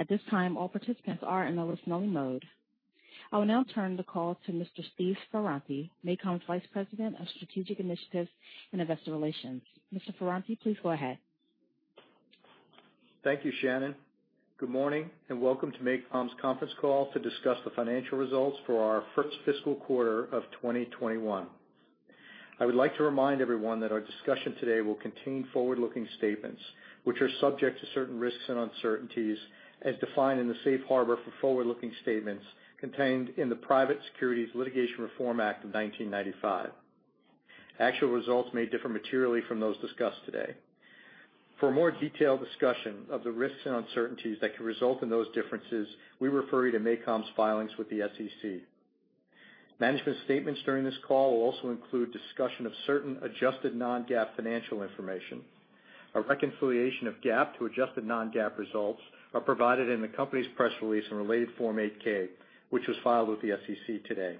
At this time, all participants are in a listen-only mode. I will now turn the call to Mr. Steve Ferranti, MACOM's Vice President of Strategic Initiatives and Investor Relations. Mr. Ferranti, please go ahead. Thank you, Shannon. Good morning, and welcome to MACOM's conference call to discuss the financial results for our first fiscal quarter of 2021. I would like to remind everyone that our discussion today will contain forward-looking statements, which are subject to certain risks and uncertainties as defined in the safe harbor for forward-looking statements contained in the Private Securities Litigation Reform Act of 1995. Actual results may differ materially from those discussed today. For a more detailed discussion of the risks and uncertainties that could result in those differences, we refer you to MACOM's filings with the SEC. Management statements during this call will also include discussion of certain adjusted non-GAAP financial information. A reconciliation of GAAP to adjusted non-GAAP results are provided in the company's press release and related Form 8-K, which was filed with the SEC today.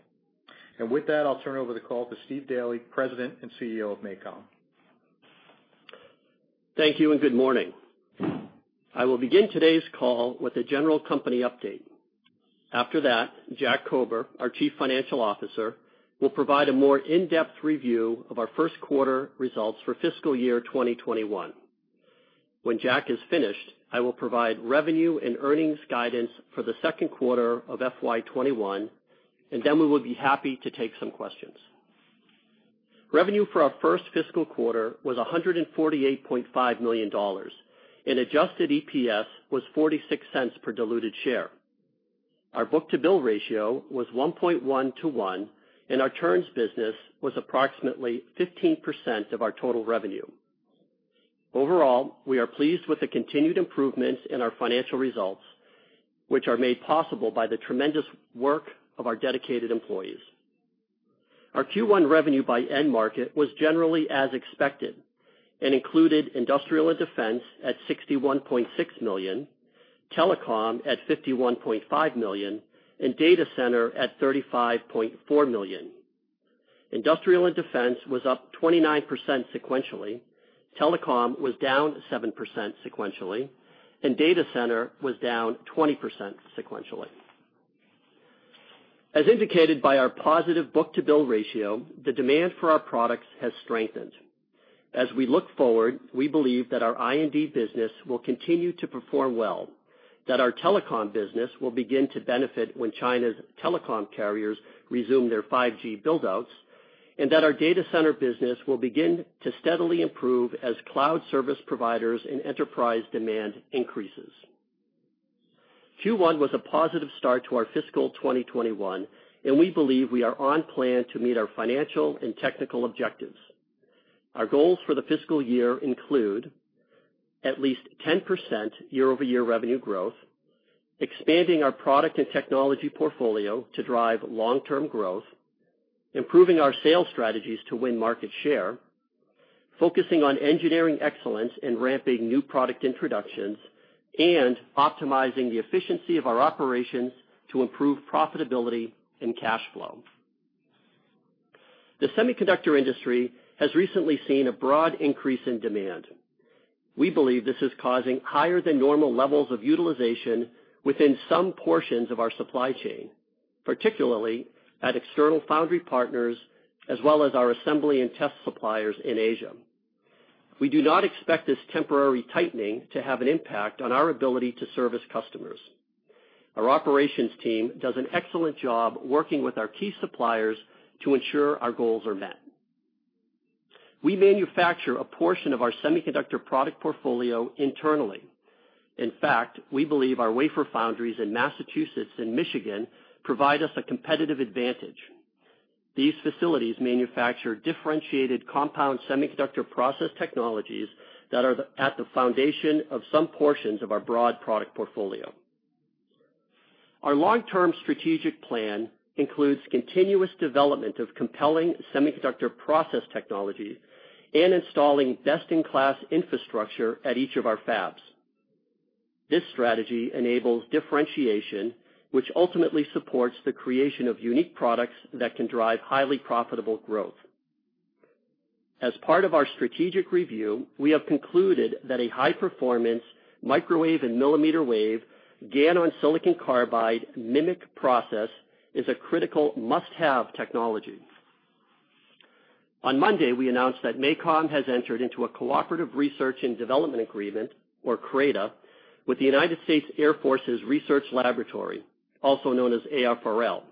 With that, I'll turn over the call to Steve Daly, President and CEO of MACOM. Thank you, and good morning. I will begin today's call with a general company update. After that, Jack Kober, our Chief Financial Officer, will provide a more in-depth review of our first quarter results for fiscal year 2021. When Jack is finished, I will provide revenue and earnings guidance for the second quarter of FY 2021, and then we would be happy to take some questions. Revenue for our first fiscal quarter was $148.5 million, and adjusted EPS was $0.46 per diluted share. Our book-to-bill ratio was 1.1:1, and our turns business was approximately 15% of our total revenue. Overall, we are pleased with the continued improvements in our financial results, which are made possible by the tremendous work of our dedicated employees. Our Q1 revenue by end market was generally as expected and included Industrial & Defense at $61.6 million, Telecom at $51.5 million, and Data Center at $35.4 million. Industrial & Defense was up 29% sequentially, Telecom was down 7% sequentially, and Data Center was down 20% sequentially. As indicated by our positive book-to-bill ratio, the demand for our products has strengthened. We believe that our I&D business will continue to perform well, that our Telecom business will begin to benefit when China's Telecom carriers resume their 5G build-outs, and that our Data Center business will begin to steadily improve as cloud service providers and enterprise demand increases. Q1 was a positive start to our fiscal 2021, and we believe we are on plan to meet our financial and technical objectives. Our goals for the fiscal year include at least 10% year-over-year revenue growth, expanding our product and technology portfolio to drive long-term growth, improving our sales strategies to win market share, focusing on engineering excellence and ramping new product introductions, and optimizing the efficiency of our operations to improve profitability and cash flow. The semiconductor industry has recently seen a broad increase in demand. We believe this is causing higher than normal levels of utilization within some portions of our supply chain, particularly at external foundry partners, as well as our assembly and test suppliers in Asia. We do not expect this temporary tightening to have an impact on our ability to service customers. Our operations team does an excellent job working with our key suppliers to ensure our goals are met. We manufacture a portion of our semiconductor product portfolio internally. In fact, we believe our wafer foundries in Massachusetts and Michigan provide us a competitive advantage. These facilities manufacture differentiated compound semiconductor process technologies that are at the foundation of some portions of our broad product portfolio. Our long-term strategic plan includes continuous development of compelling semiconductor process technologies and installing best-in-class infrastructure at each of our fabs. This strategy enables differentiation, which ultimately supports the creation of unique products that can drive highly profitable growth. As part of our strategic review, we have concluded that a high-performance microwave and millimeter wave, GaN on silicon carbide MMIC process is a critical must-have technology. On Monday, we announced that MACOM has entered into a cooperative research and development agreement, or CRADA, with the United States Air Force's Research Laboratory, also known as AFRL.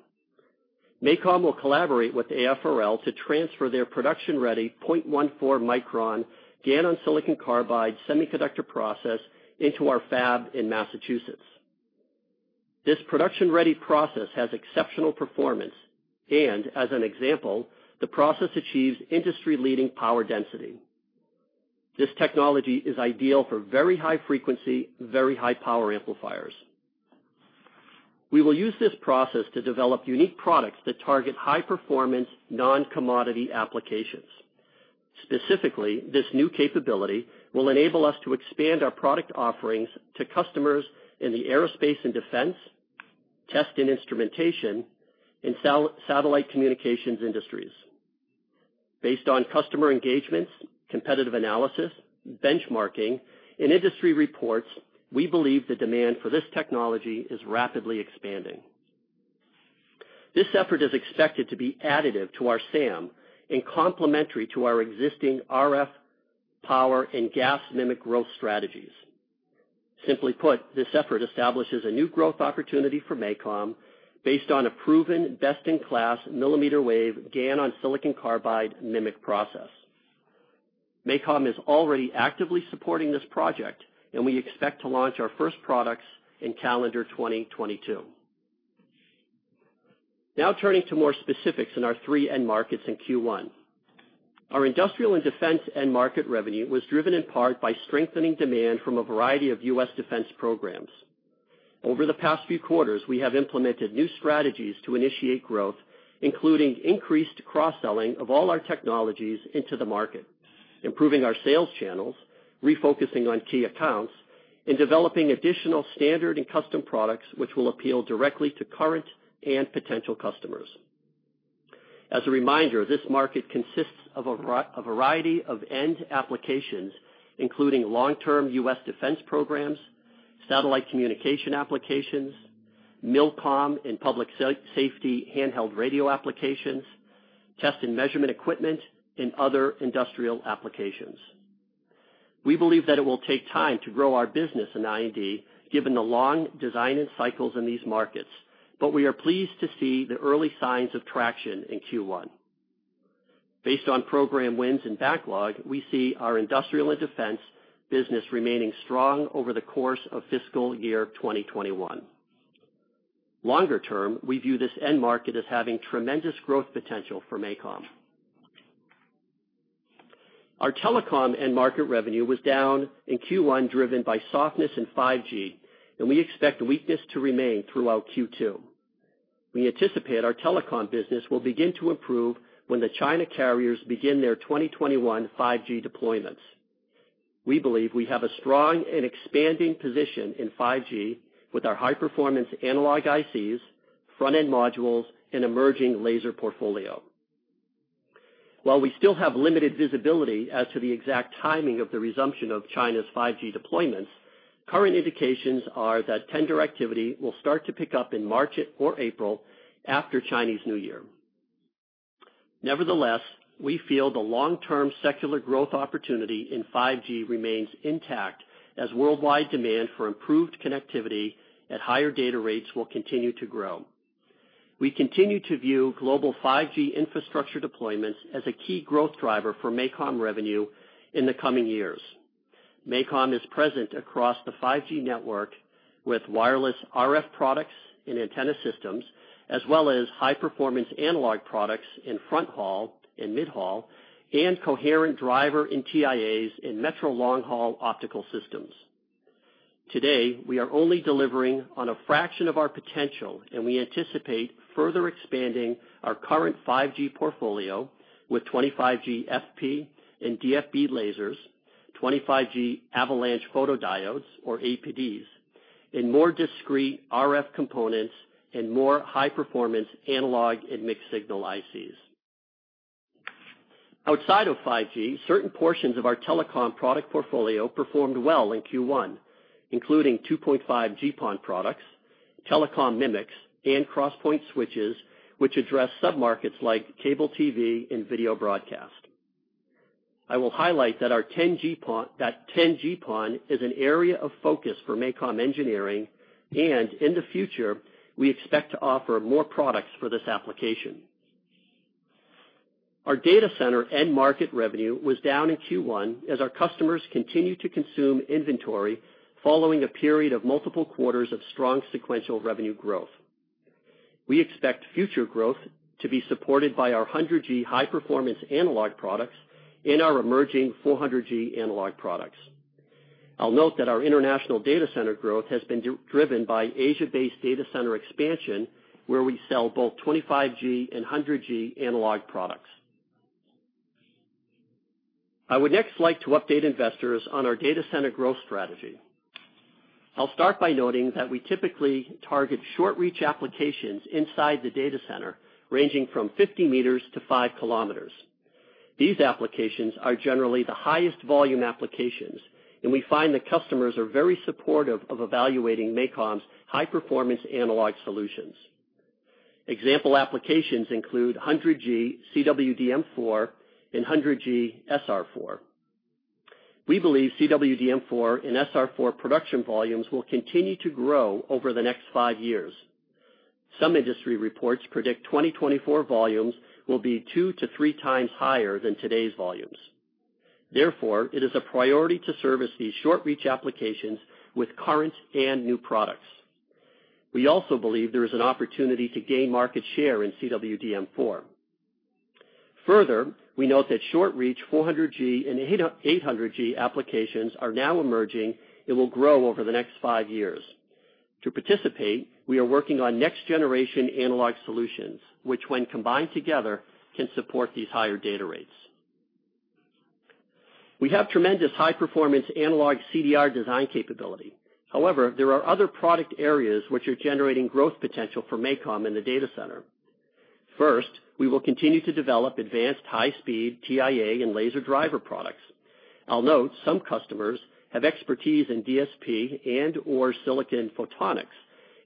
MACOM will collaborate with AFRL to transfer their production-ready 0.14 micron GaN on silicon carbide semiconductor process into our fab in Massachusetts. This production-ready process has exceptional performance, and as an example, the process achieves industry-leading power density. This technology is ideal for very high-frequency, very high-power amplifiers. We will use this process to develop unique products that target high-performance, non-commodity applications. Specifically, this new capability will enable us to expand our product offerings to customers in the aerospace and defense, test and instrumentation, and satellite communications industries. Based on customer engagements, competitive analysis, benchmarking, and industry reports, we believe the demand for this technology is rapidly expanding. This effort is expected to be additive to our SAM and complementary to our existing RF power and GaAs MMIC growth strategies. Simply put, this effort establishes a new growth opportunity for MACOM based on a proven, best-in-class millimeter wave GaN on silicon carbide MMIC process. MACOM is already actively supporting this project, and we expect to launch our first products in calendar 2022. Turning to more specifics in our three end markets in Q1. Our Industrial & Defense end market revenue was driven in part by strengthening demand from a variety of U.S. defense programs. Over the past few quarters, we have implemented new strategies to initiate growth, including increased cross-selling of all our technologies into the market, improving our sales channels, refocusing on key accounts, and developing additional standard and custom products which will appeal directly to current and potential customers. As a reminder, this market consists of a variety of end applications, including long-term U.S. defense programs, satellite communication applications, MILCOM, and public safety handheld radio applications, test and measurement equipment, and other industrial applications. We believe that it will take time to grow our business in I&D given the long design and cycles in these markets, but we are pleased to see the early signs of traction in Q1. Based on program wins and backlog, we see our Industrial & Defense business remaining strong over the course of fiscal year 2021. Longer term, we view this end market as having tremendous growth potential for MACOM. Our Telecom end market revenue was down in Q1, driven by softness in 5G, and we expect weakness to remain throughout Q2. We anticipate our Telecom business will begin to improve when the China carriers begin their 2021 5G deployments. We believe we have a strong and expanding position in 5G with our high-performance analog ICs, front-end modules, and emerging laser portfolio. While we still have limited visibility as to the exact timing of the resumption of China's 5G deployments, current indications are that tender activity will start to pick up in March or April after Chinese New Year. We feel the long-term secular growth opportunity in 5G remains intact as worldwide demand for improved connectivity at higher data rates will continue to grow. We continue to view global 5G infrastructure deployments as a key growth driver for MACOM revenue in the coming years. MACOM is present across the 5G network with wireless RF products and antenna systems, as well as high-performance analog products in fronthaul and midhaul, and coherent drivers and TIAs in metro long-haul optical systems. Today, we are only delivering on a fraction of our potential. We anticipate further expanding our current 5G portfolio with 25G FP and DFB lasers, 25G avalanche photodiodes, or APDs, and more discrete RF components and more high-performance analog and mixed-signal ICs. Outside of 5G, certain portions of our Telecom product portfolio performed well in Q1, including 2.5G GPON products, Telecom MMICs, and cross-point switches, which address sub-markets like cable TV and video broadcast. I will highlight that 10G PON is an area of focus for MACOM engineering and in the future, we expect to offer more products for this application. Our Data Center end market revenue was down in Q1 as our customers continued to consume inventory following a period of multiple quarters of strong sequential revenue growth. We expect future growth to be supported by our 100G high-performance analog products and our emerging 400G analog products. I'll note that our international Data Center growth has been driven by Asia-based Data Center expansion, where we sell both 25G and 100G analog products. I would next like to update investors on our Data Center growth strategy. I'll start by noting that we typically target short-reach applications inside the Data Center, ranging from 50 m to 5 km. These applications are generally the highest volume applications, and we find that customers are very supportive of evaluating MACOM's high-performance analog solutions. Example applications include 100G CWDM4 and 100G SR4. We believe CWDM4 and SR4 production volumes will continue to grow over the next five years. Some industry reports predict 2024 volumes will be two to three times higher than today's volumes. Therefore, it is a priority to service these short-reach applications with current and new products. We also believe there is an opportunity to gain market share in CWDM4. Further, we note that short-reach 400G and 800G applications are now emerging and will grow over the next five years. To participate, we are working on next-generation analog solutions, which when combined together, can support these higher data rates. We have tremendous high-performance analog CDR design capability. However, there are other product areas which are generating growth potential for MACOM in the Data Center. First, we will continue to develop advanced high-speed TIA and laser driver products. I'll note some customers have expertise in DSP and/or silicon photonics,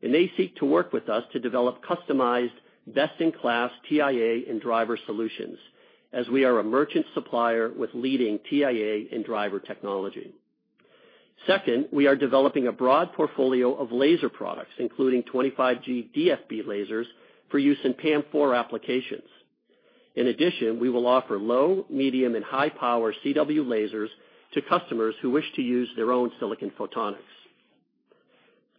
and they seek to work with us to develop customized best-in-class TIA and driver solutions, as we are a merchant supplier with leading TIA and driver technology. Second, we are developing a broad portfolio of laser products, including 25G DFB lasers for use in PAM4 applications. In addition, we will offer low, medium, and high power CW lasers to customers who wish to use their own silicon photonics.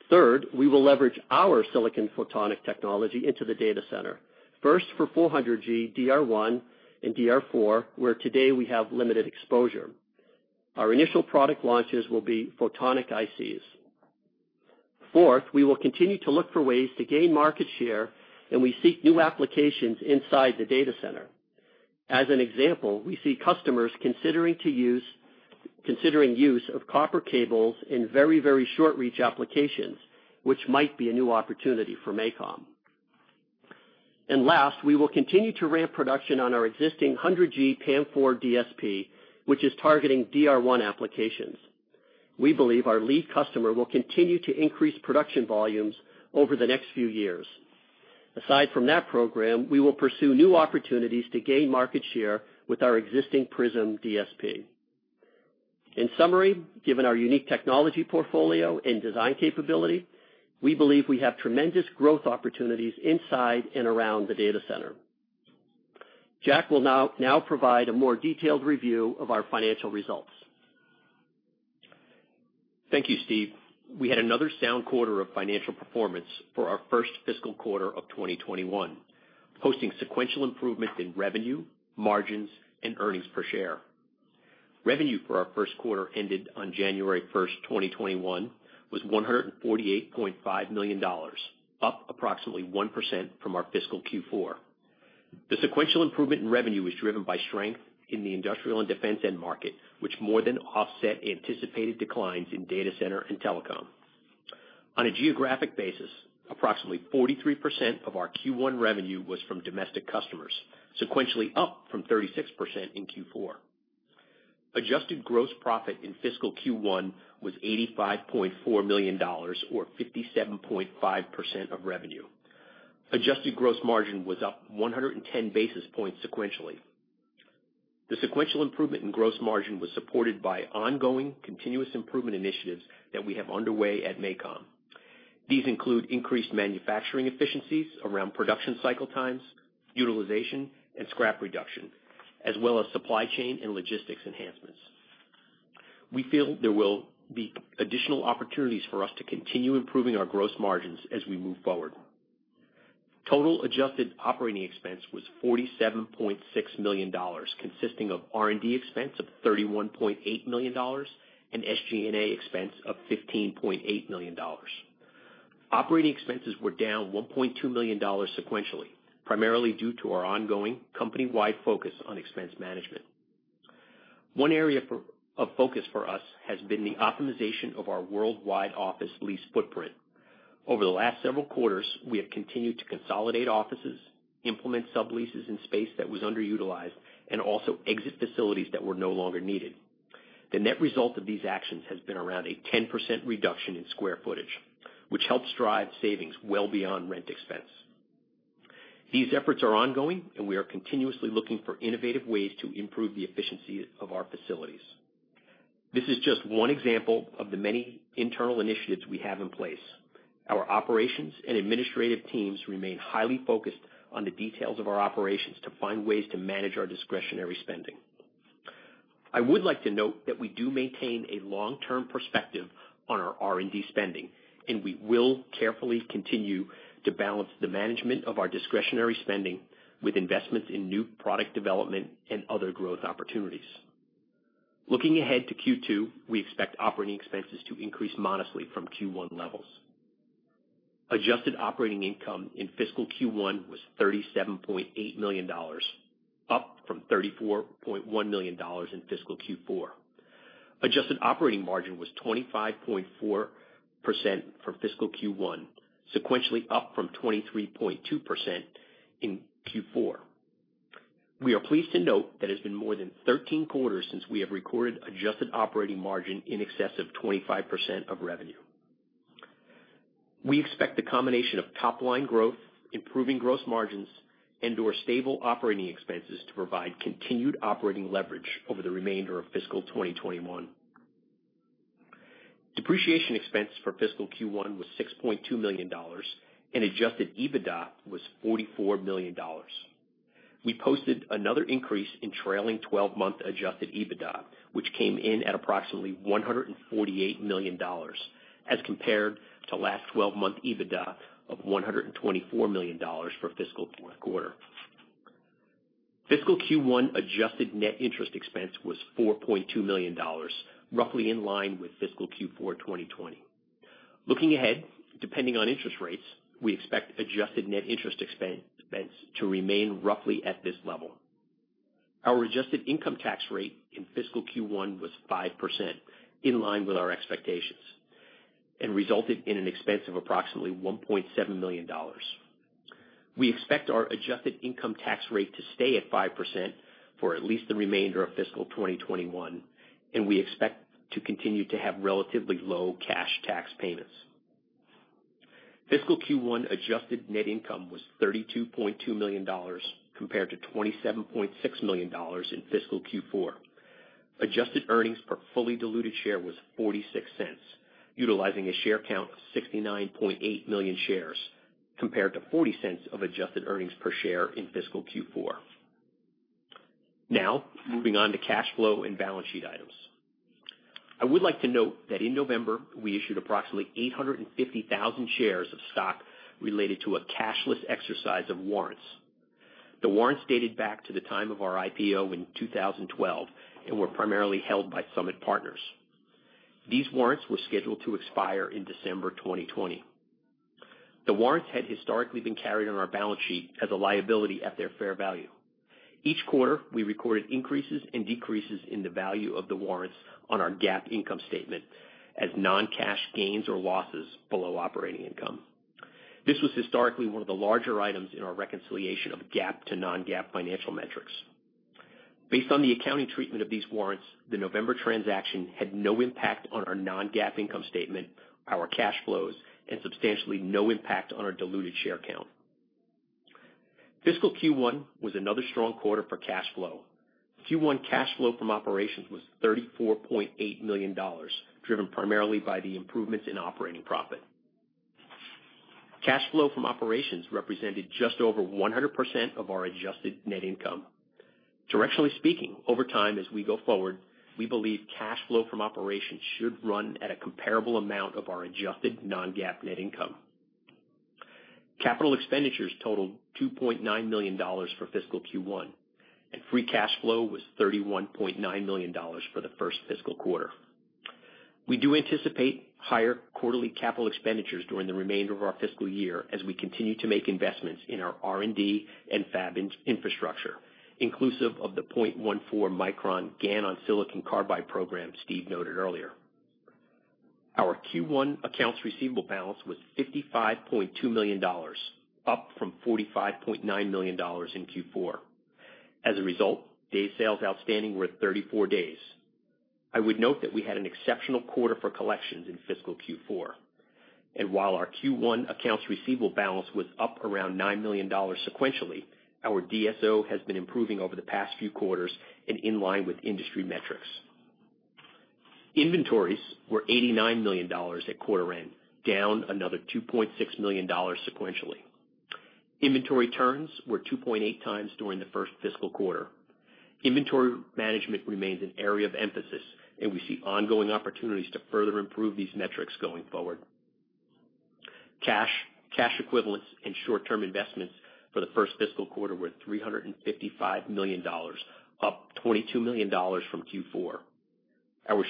Third, we will leverage our silicon photonic technology into the Data Center, first for 400G DR1 and DR4, where today we have limited exposure. Our initial product launches will be photonic ICs. Fourth, we will continue to look for ways to gain market share, and we seek new applications inside the Data Center. As an example, we see customers considering use of copper cables in very short-reach applications, which might be a new opportunity for MACOM. Last, we will continue to ramp production on our existing 100G PAM4 DSP, which is targeting DR1 applications. We believe our lead customer will continue to increase production volumes over the next few years. Aside from that program, we will pursue new opportunities to gain market share with our existing PRISM DSP. In summary, given our unique technology portfolio and design capability, we believe we have tremendous growth opportunities inside and around the Data Center. Jack will now provide a more detailed review of our financial results. Thank you, Steve. We had another sound quarter of financial performance for our first fiscal quarter of 2021, posting sequential improvement in revenue, margins, and earnings per share. Revenue for our first quarter ended on January 1st, 2021, was $148.5 million, up approximately 1% from our fiscal Q4. The sequential improvement in revenue was driven by strength in the Industrial & Defense end market, which more than offset anticipated declines in Data Center and Telecom. On a geographic basis, approximately 43% of our Q1 revenue was from domestic customers, sequentially up from 36% in Q4. Adjusted gross profit in fiscal Q1 was $85.4 million, or 57.5% of revenue. Adjusted gross margin was up 110 basis points sequentially. The sequential improvement in gross margin was supported by ongoing continuous improvement initiatives that we have underway at MACOM. These include increased manufacturing efficiencies around production cycle times, utilization, and scrap reduction, as well as supply chain and logistics enhancements. We feel there will be additional opportunities for us to continue improving our gross margins as we move forward. Total adjusted operating expense was $47.6 million, consisting of R&D expense of $31.8 million and SG&A expense of $15.8 million. Operating expenses were down $1.2 million sequentially, primarily due to our ongoing company-wide focus on expense management. One area of focus for us has been the optimization of our worldwide office lease footprint. Over the last several quarters, we have continued to consolidate offices, implement subleases in space that was underutilized, and also exit facilities that were no longer needed. The net result of these actions has been around a 10% reduction in square footage, which helps drive savings well beyond rent expense. These efforts are ongoing, and we are continuously looking for innovative ways to improve the efficiency of our facilities. This is just one example of the many internal initiatives we have in place. Our operations and administrative teams remain highly focused on the details of our operations to find ways to manage our discretionary spending. I would like to note that we do maintain a long-term perspective on our R&D spending, and we will carefully continue to balance the management of our discretionary spending with investments in new product development and other growth opportunities. Looking ahead to Q2, we expect operating expenses to increase modestly from Q1 levels. Adjusted operating income in fiscal Q1 was $37.8 million, up from $34.1 million in fiscal Q4. Adjusted operating margin was 25.4% for fiscal Q1, sequentially up from 23.2% in Q4. We are pleased to note that it's been more than 13 quarters since we have recorded an adjusted operating margin in excess of 25% of revenue. We expect the combination of top-line growth, improving gross margins, and/or stable operating expenses to provide continued operating leverage over the remainder of fiscal 2021. Depreciation expense for fiscal Q1 was $6.2 million, and adjusted EBITDA was $44 million. We posted another increase in trailing 12-month adjusted EBITDA, which came in at approximately $148 million as compared to last 12-month EBITDA of $124 million for fiscal fourth quarter. Fiscal Q1 adjusted net interest expense was $4.2 million, roughly in line with fiscal Q4 2020. Looking ahead, depending on interest rates, we expect adjusted net interest expense to remain roughly at this level. Our adjusted income tax rate in fiscal Q1 was 5%, in line with our expectations, and resulted in an expense of approximately $1.7 million. We expect our adjusted income tax rate to stay at 5% for at least the remainder of fiscal 2021, and we expect to continue to have relatively low cash tax payments. Fiscal Q1 adjusted net income was $32.2 million, compared to $27.6 million in fiscal Q4. Adjusted earnings per fully diluted share was $0.46, utilizing a share count of 69.8 million shares, compared to $0.40 of adjusted earnings per share in fiscal Q4. Now, moving on to cash flow and balance sheet items. I would like to note that in November, we issued approximately 850,000 shares of stock related to a cashless exercise of warrants. The warrants dated back to the time of our IPO in 2012 and were primarily held by Summit Partners. These warrants were scheduled to expire in December 2020. The warrants had historically been carried on our balance sheet as a liability at their fair value. Each quarter, we recorded increases and decreases in the value of the warrants on our GAAP income statement as non-cash gains or losses below operating income. This was historically one of the larger items in our reconciliation of GAAP to non-GAAP financial metrics. Based on the accounting treatment of these warrants, the November transaction had no impact on our non-GAAP income statement, our cash flows, and substantially no impact on our diluted share count. Fiscal Q1 was another strong quarter for cash flow. Q1 cash flow from operations was $34.8 million, driven primarily by the improvements in operating profit. Cash flow from operations represented just over 100% of our adjusted net income. Directionally speaking, over time as we go forward, we believe cash flow from operations should run at a comparable amount of our adjusted non-GAAP net income. Capital expenditures totaled $2.9 million for fiscal Q1, and free cash flow was $31.9 million for the first fiscal quarter. We do anticipate higher quarterly capital expenditures during the remainder of our fiscal year as we continue to make investments in our R&D and fab infrastructure, inclusive of the 0.14 micron GaN on silicon carbide program Steve noted earlier. Our Q1 accounts receivable balance was $55.2 million, up from $45.9 million in Q4. As a result, day sales outstanding were 34 days. I would note that we had an exceptional quarter for collections in fiscal Q4. While our Q1 accounts receivable balance was up around $9 million sequentially, our DSO has been improving over the past few quarters and in line with industry metrics. Inventories were $89 million at quarter end, down another $2.6 million sequentially. Inventory turns were 2.8 times during the first fiscal quarter. Inventory management remains an area of emphasis, and we see ongoing opportunities to further improve these metrics going forward. Cash equivalents and short-term investments for the first fiscal quarter were $355 million, up $22 million from Q4. Our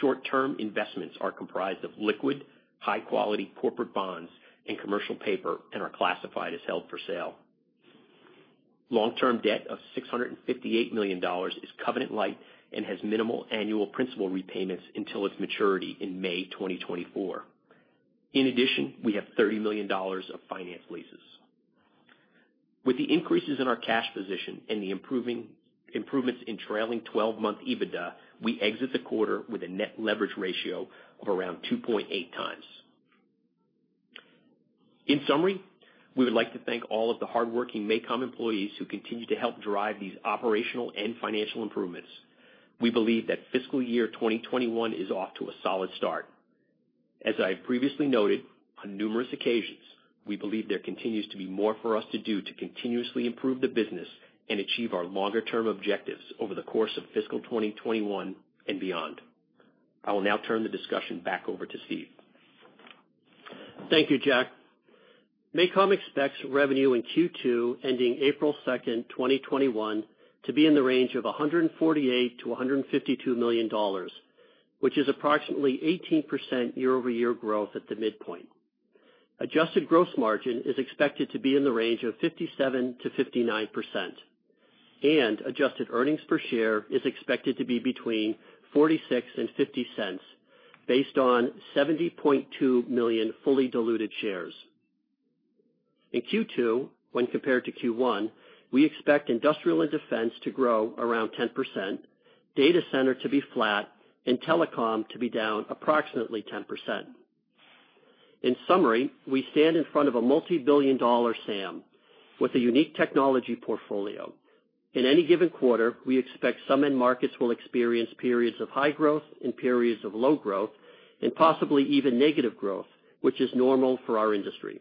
short-term investments are comprised of liquid, high-quality corporate bonds and commercial paper and are classified as held for sale. Long-term debt of $658 million is covenant-lite and has minimal annual principal repayments until its maturity in May 2024. In addition, we have $30 million of finance leases. With the increases in our cash position and the improvements in trailing 12-month EBITDA, we exit the quarter with a net leverage ratio of around 2.8x. In summary, we would like to thank all of the hardworking MACOM employees who continue to help drive these operational and financial improvements. We believe that fiscal year 2021 is off to a solid start. As I have previously noted on numerous occasions, we believe there continues to be more for us to do to continuously improve the business and achieve our longer-term objectives over the course of fiscal year 2021 and beyond. I will now turn the discussion back over to Steve. Thank you, Jack. MACOM expects revenue in Q2 ending April 2nd, 2021, to be in the range of $148 million-$152 million, which is approximately 18% year-over-year growth at the midpoint. Adjusted gross margin is expected to be in the range of 57%-59%, and adjusted earnings per share is expected to be between $0.46 and $0.50 based on 70.2 million fully diluted shares. In Q2, when compared to Q1, we expect Industrial & Defense to grow around 10%, Data Center to be flat, and telecom to be down approximately 10%. In summary, we stand in front of a multi-billion-dollar SAM with a unique technology portfolio. In any given quarter, we expect some end markets will experience periods of high growth and periods of low growth, and possibly even negative growth, which is normal for our industry.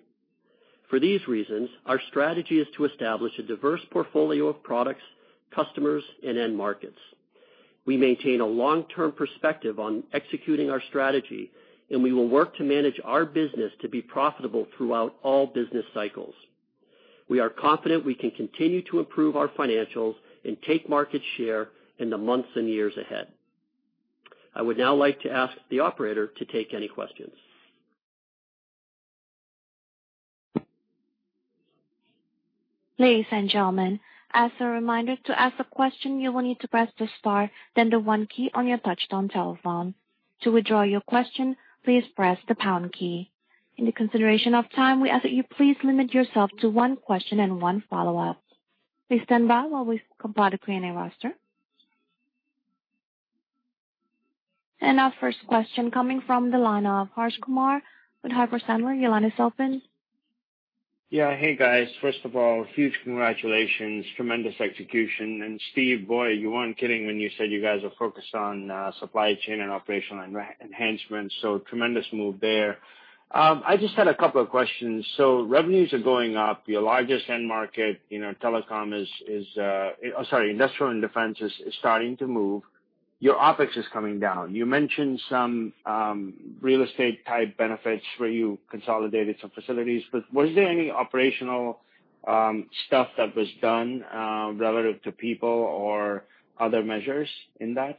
For these reasons, our strategy is to establish a diverse portfolio of products, customers, and end markets. We maintain a long-term perspective on executing our strategy, and we will work to manage our business to be profitable throughout all business cycles. We are confident we can continue to improve our financials and take market share in the months and years ahead. I would now like to ask the operator to take any questions. Ladies and gentlemen, as a reminder, to ask a question, you will need to press the star, then the one key on your touch-tone telephone. To withdraw your question, please press the pound key. In the consideration of time, we ask that you please limit yourself to one question and one follow-up. Please stand by while we compile the Q&A roster. Our first question coming from the line of Harsh Kumar with Piper Sandler. Your line is open. Hey, guys. First of all, huge congratulations. Tremendous execution. Steve, boy, you weren't kidding when you said you guys are focused on supply chain and operational enhancements. Tremendous move there. I just had a couple of questions. Revenues are going up. Your largest end market, Telecom is, sorry, Industrial & Defense is starting to move. Your OpEx is coming down. You mentioned some real estate type benefits where you consolidated some facilities. Was there any operational stuff that was done relative to people or other measures in that?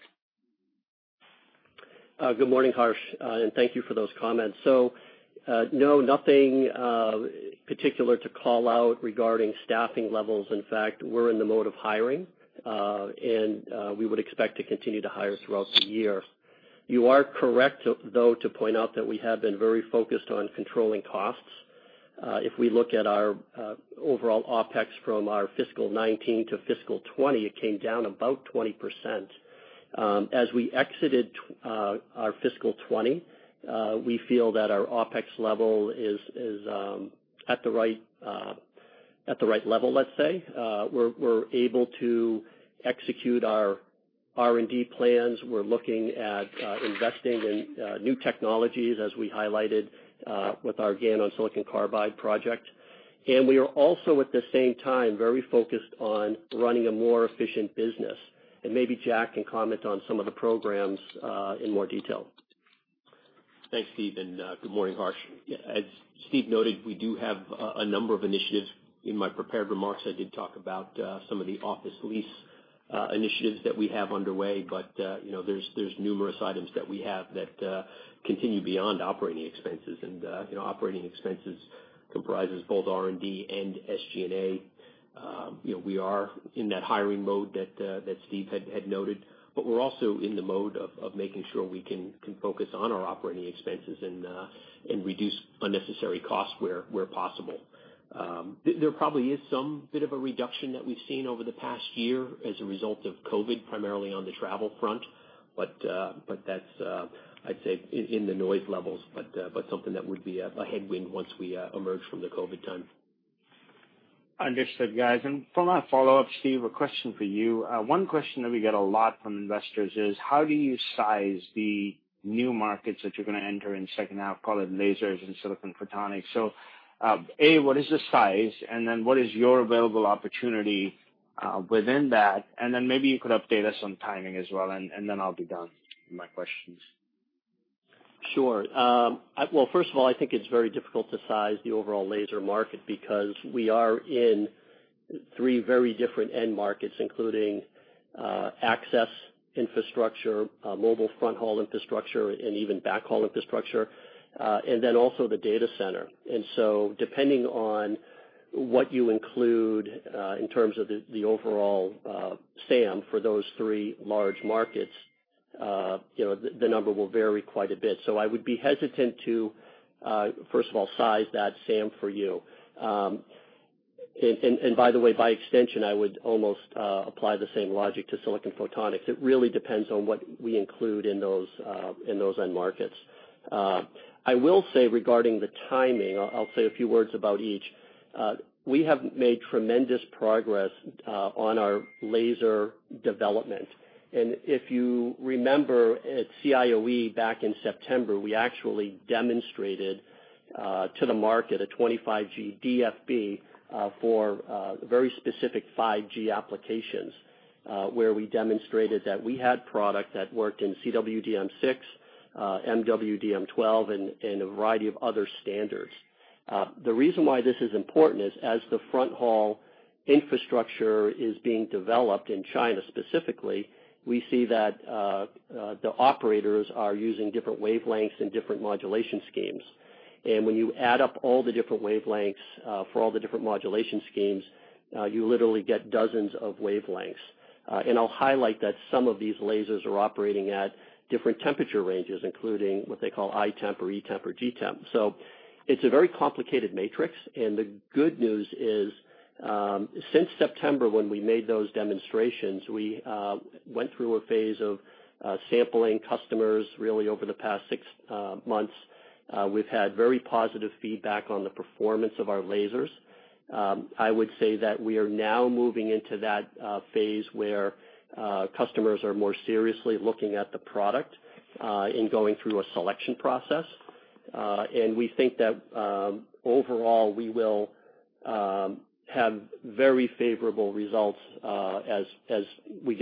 Good morning, Harsh, thank you for those comments. No, nothing particular to call out regarding staffing levels. In fact, we're in the mode of hiring. We would expect to continue to hire throughout the year. You are correct, though, to point out that we have been very focused on controlling costs. If we look at our overall OpEx from our fiscal 2019 to fiscal 2020, it came down about 20%. As we exited our fiscal 2020, we feel that our OpEx level is at the right level, let's say. We're able to execute our R&D plans. We're looking at investing in new technologies, as we highlighted with our GaN on silicon carbide project. We are also, at the same time, very focused on running a more efficient business. Maybe Jack can comment on some of the programs in more detail. Thanks, Steve. Good morning, Harsh. As Steve noted, we do have a number of initiatives. In my prepared remarks, I did talk about some of the office lease initiatives that we have underway. There's numerous items that we have that continue beyond operating expenses. Operating expenses comprises both R&D and SG&A. We are in that hiring mode that Steve had noted. We're also in the mode of making sure we can focus on our operating expenses and reduce unnecessary costs where possible. There probably is some bit of a reduction that we've seen over the past year as a result of COVID, primarily on the travel front. That's, I'd say, in the noise levels, something that would be a headwind once we emerge from the COVID time. Understood, guys. For my follow-up, Steve, a question for you. One question that we get a lot from investors is how do you size the new markets that you're going to enter in second half, call it lasers and silicon photonics. A, what is the size, and then what is your available opportunity within that? Maybe you could update us on timing as well, and then I'll be done with my questions. Sure. Well, first of all, I think it's very difficult to size the overall laser market because we are in three very different end markets, including access infrastructure, mobile front haul infrastructure, and even back haul infrastructure, and then also the Data Center. Depending on what you include in terms of the overall SAM for those three large markets, the number will vary quite a bit. I would be hesitant to, first of all, size that SAM for you. By the way, by extension, I would almost apply the same logic to silicon photonics. It really depends on what we include in those end markets. I will say regarding the timing, I'll say a few words about each. We have made tremendous progress on our laser development. If you remember at CIOE back in September, we actually demonstrated to the market a 25G DFB for very specific 5G applications where we demonstrated that we had product that worked in CWDM6, MWDM12, and a variety of other standards. The reason why this is important is as the front haul infrastructure is being developed in China specifically, we see that the operators are using different wavelengths and different modulation schemes. When you add up all the different wavelengths for all the different modulation schemes, you literally get dozens of wavelengths. I'll highlight that some of these lasers are operating at different temperature ranges, including what they call I-temp or E-temp or C-temp. It's a very complicated matrix, and the good news is, since September when we made those demonstrations, we went through a phase of sampling customers really over the past six months. We've had very positive feedback on the performance of our lasers. I would say that we are now moving into that phase where customers are more seriously looking at the product and going through a selection process. We think that overall we will have very favorable results as we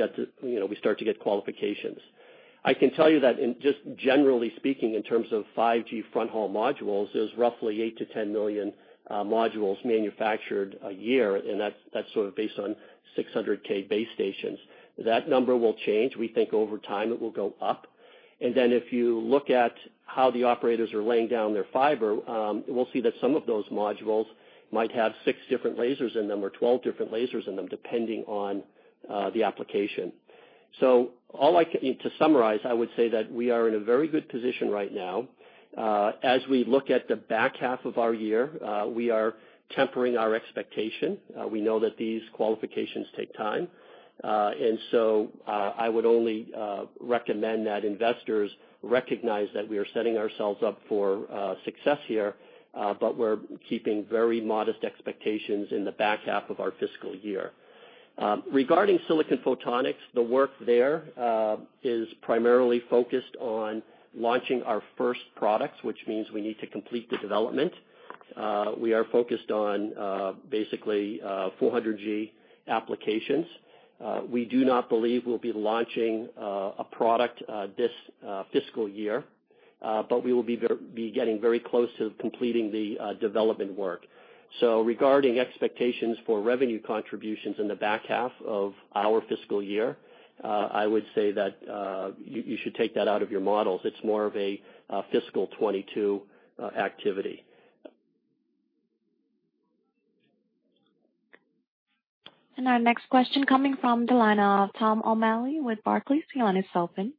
start to get qualifications. I can tell you that in just generally speaking, in terms of 5G fronthaul modules, there's roughly 8 million-10 million modules manufactured a year, and that's sort of based on 600,000 base stations. That number will change. We think over time it will go up. If you look at how the operators are laying down their fiber, we'll see that some of those modules might have six different lasers in them or 12 different lasers in them, depending on the application. To summarize, I would say that we are in a very good position right now. As we look at the back half of our year, we are tempering our expectation. We know that these qualifications take time. I would only recommend that investors recognize that we are setting ourselves up for success here, but we're keeping very modest expectations in the back half of our fiscal year. Regarding silicon photonics, the work there is primarily focused on launching our first products, which means we need to complete the development. We are focused on basically 400G applications. We do not believe we'll be launching a product this fiscal year, but we will be getting very close to completing the development work. Regarding expectations for revenue contributions in the back half of our fiscal year, I would say that you should take that out of your models. It's more of a fiscal 2022 activity. Our next question coming from the line of Tom O'Malley with Barclays. Your line is open.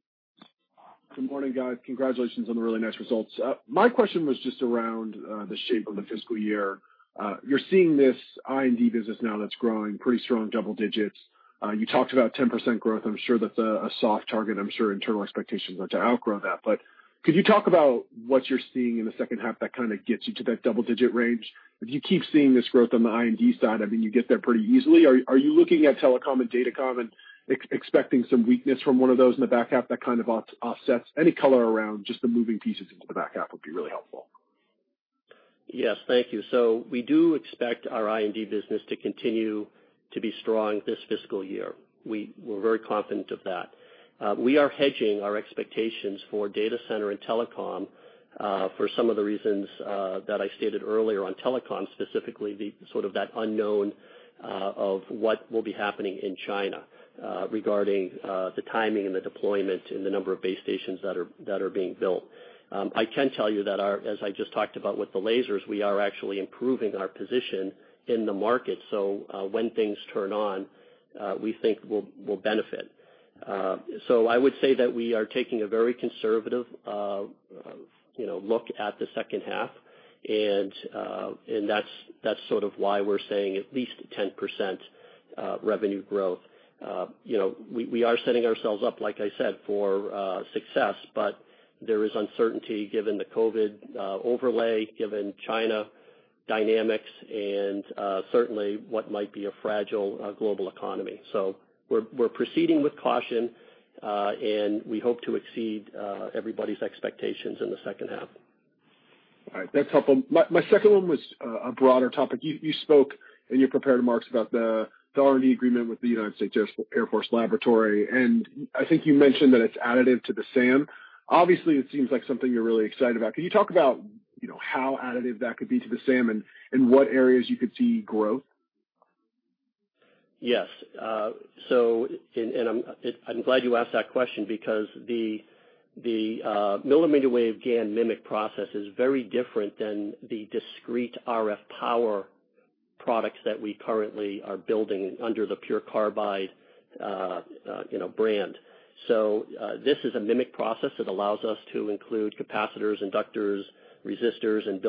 Good morning, guys. Congratulations on the really nice results. My question was just around the shape of the fiscal year. You're seeing this I&D business now that's growing pretty strong double digits. You talked about 10% growth. I'm sure that's a soft target. I'm sure internal expectations are to outgrow that, but could you talk about what you're seeing in the second half that kind of gets you to that double-digit range? If you keep seeing this growth on the I&D side, I mean, you get there pretty easily. Are you looking at Telecom and Datacom and expecting some weakness from one of those in the back half that kind of offsets? Any color around just the moving pieces into the back half would be really helpful. Yes. Thank you. We do expect our I&D business to continue to be strong this fiscal year. We're very confident of that. We are hedging our expectations for Data Center and Telecom, for some of the reasons that I stated earlier on Telecom, specifically the sort of that unknown of what will be happening in China regarding the timing and the deployment and the number of base stations that are being built. I can tell you that our, as I just talked about with the lasers, we are actually improving our position in the market. When things turn on, we think we'll benefit. I would say that we are taking a very conservative look at the second half, and that's sort of why we're saying at least 10% revenue growth. We are setting ourselves up, like I said, for success. There is uncertainty given the COVID overlay, given China dynamics and certainly what might be a fragile global economy. We're proceeding with caution, and we hope to exceed everybody's expectations in the second half. All right. That's helpful. My second one was a broader topic. You spoke in your prepared remarks about the R&D agreement with the Air Force Research Laboratory, and I think you mentioned that it's additive to the SAM. Obviously, it seems like something you're really excited about. Can you talk about how additive that could be to the SAM and in what areas you could see growth? Yes. I'm glad you asked that question because the millimeter wave GaN MMIC process is very different than the discrete RF power products that we currently are building under the PURE CARBIDE brand. This is a MMIC process. It allows us to include capacitors, inductors, resistors, and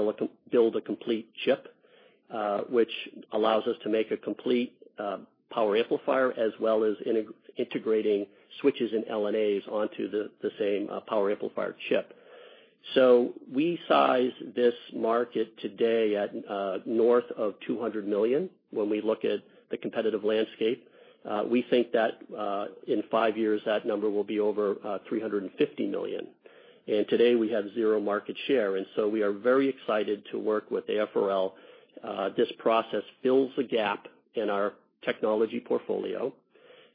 build a complete chip, which allows us to make a complete power amplifier, as well as integrating switches and LNAs onto the same power amplifier chip. We size this market today at north of $200 million when we look at the competitive landscape. We think that in five years, that number will be over $350 million. Today, we have zero market share, and so we are very excited to work with AFRL. This process fills a gap in our technology portfolio.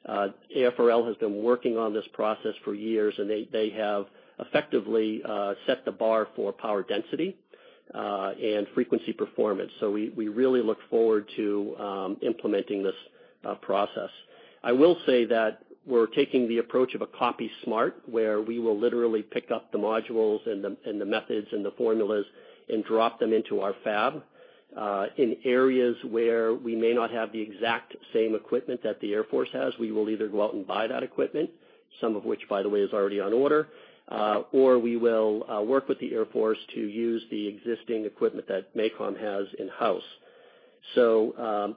AFRL has been working on this process for years, they have effectively set the bar for power density, and frequency performance. We really look forward to implementing this process. I will say that we're taking the approach of a copy smart, where we will literally pick up the modules and the methods and the formulas and drop them into our fab. In areas where we may not have the exact same equipment that the Air Force has, we will either go out and buy that equipment, some of which, by the way, is already on order, or we will work with the Air Force to use the existing equipment that MACOM has in-house.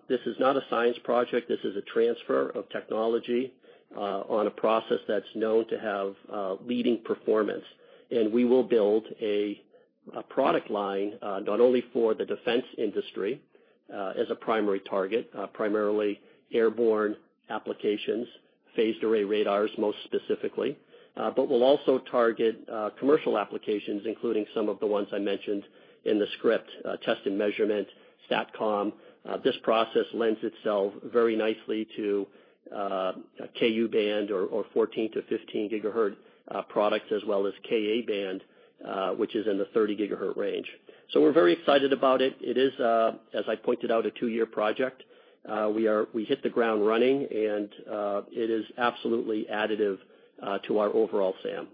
This is not a science project. This is a transfer of technology on a process that's known to have leading performance. We will build a product line, not only for the defense industry as a primary target, primarily airborne applications, phased array radars, most specifically. We'll also target commercial applications, including some of the ones I mentioned in the script, test and measurement, satcom. This process lends itself very nicely to Ku-Band or 14 GHz-15 GHz products as well as Ka-Band, which is in the 30 GHz range. We're very excited about it. It is, as I pointed out, a two-year project. We hit the ground running, and it is absolutely additive to our overall SAM.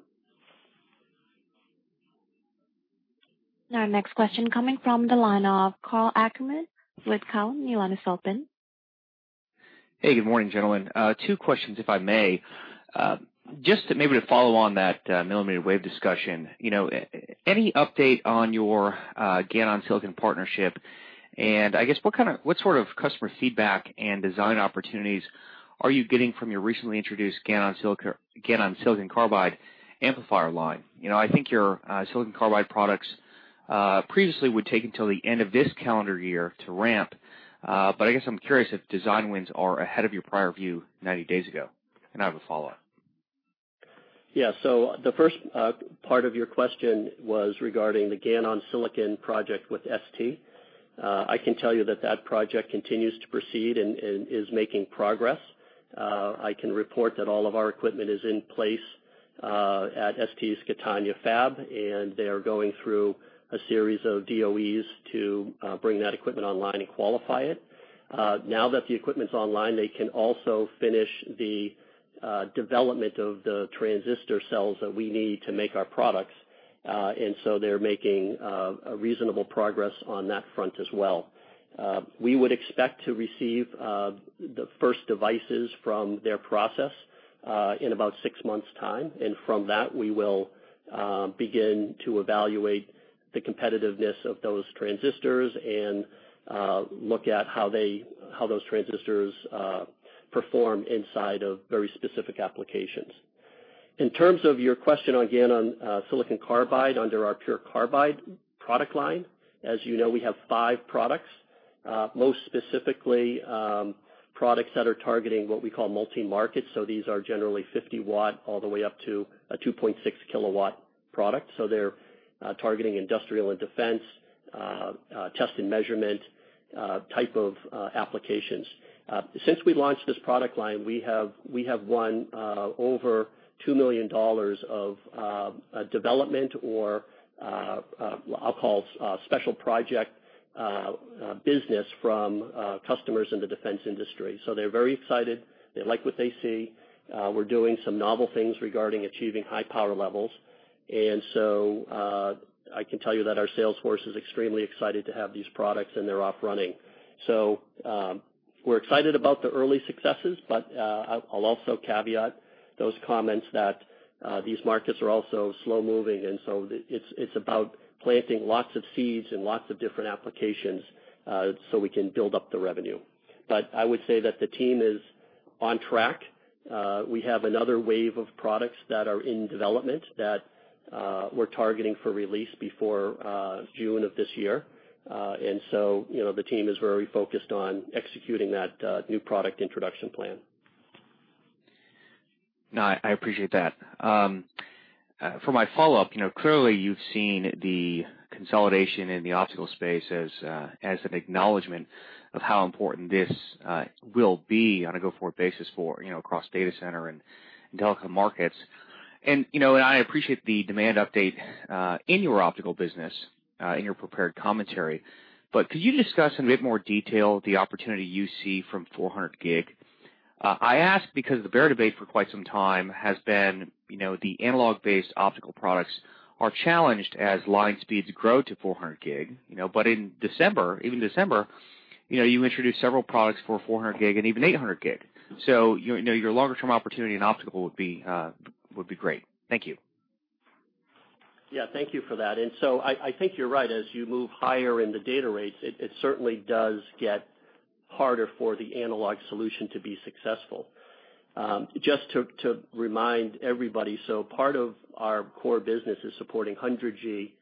Our next question coming from the line of Karl Ackerman with Cowen. Your line is open. Hey, good morning, gentlemen. Two questions, if I may. Just maybe to follow on that millimeter wave discussion, any update on your GaN on Silicon partnership? I guess what sort of customer feedback and design opportunities are you getting from your recently introduced GaN on silicon carbide amplifier line? I think your silicon carbide products previously would take until the end of this calendar year to ramp. I guess I'm curious if design wins are ahead of your prior view 90 days ago. I have a follow-up. Yeah. The first part of your question was regarding the GaN on Silicon project with ST. I can tell you that that project continues to proceed and is making progress. I can report that all of our equipment is in place at ST's Catania fab, and they are going through a series of DOEs to bring that equipment online and qualify it. Now that the equipment's online, they can also finish the development of the transistor cells that we need to make our products. They're making a reasonable progress on that front as well. We would expect to receive the first devices from their process in about six months' time. From that, we will begin to evaluate the competitiveness of those transistors and look at how those transistors perform inside of very specific applications. In terms of your question on GaN on silicon carbide under our PURE CARBIDE product line, as you know, we have five products. Most specifically, products that are targeting what we call multi-market. These are generally 50 W all the way up to a 2.6 kW product. They're targeting Industrial & Defense, test and measurement type of applications. Since we launched this product line, we have won over $2 million of development, or I'll call special project business from customers in the defense industry. They're very excited. They like what they see. We're doing some novel things regarding achieving high power levels. I can tell you that our sales force is extremely excited to have these products, and they're off running. We're excited about the early successes, but I'll also caveat those comments that these markets are also slow-moving, and so it's about planting lots of seeds in lots of different applications so we can build up the revenue. I would say that the team is on track. We have another wave of products that are in development that we're targeting for release before June of this year. The team is very focused on executing that new product introduction plan. No, I appreciate that. For my follow-up, clearly, you've seen the consolidation in the optical space as an acknowledgement of how important this will be on a go-forward basis for across Data Center and Telecom markets. I appreciate the demand update in your optical business in your prepared commentary. Could you discuss in a bit more detail the opportunity you see from 400G? I ask because the bear debate for quite some time has been the analog-based optical products are challenged as line speeds grow to 400G. In December, you introduced several products for 400G and even 800G. Your longer-term opportunity in optical would be great. Thank you. Yeah, thank you for that. I think you're right. As you move higher in the data rates, it certainly does get harder for the analog solution to be successful. Just to remind everybody, part of our core business is supporting 100G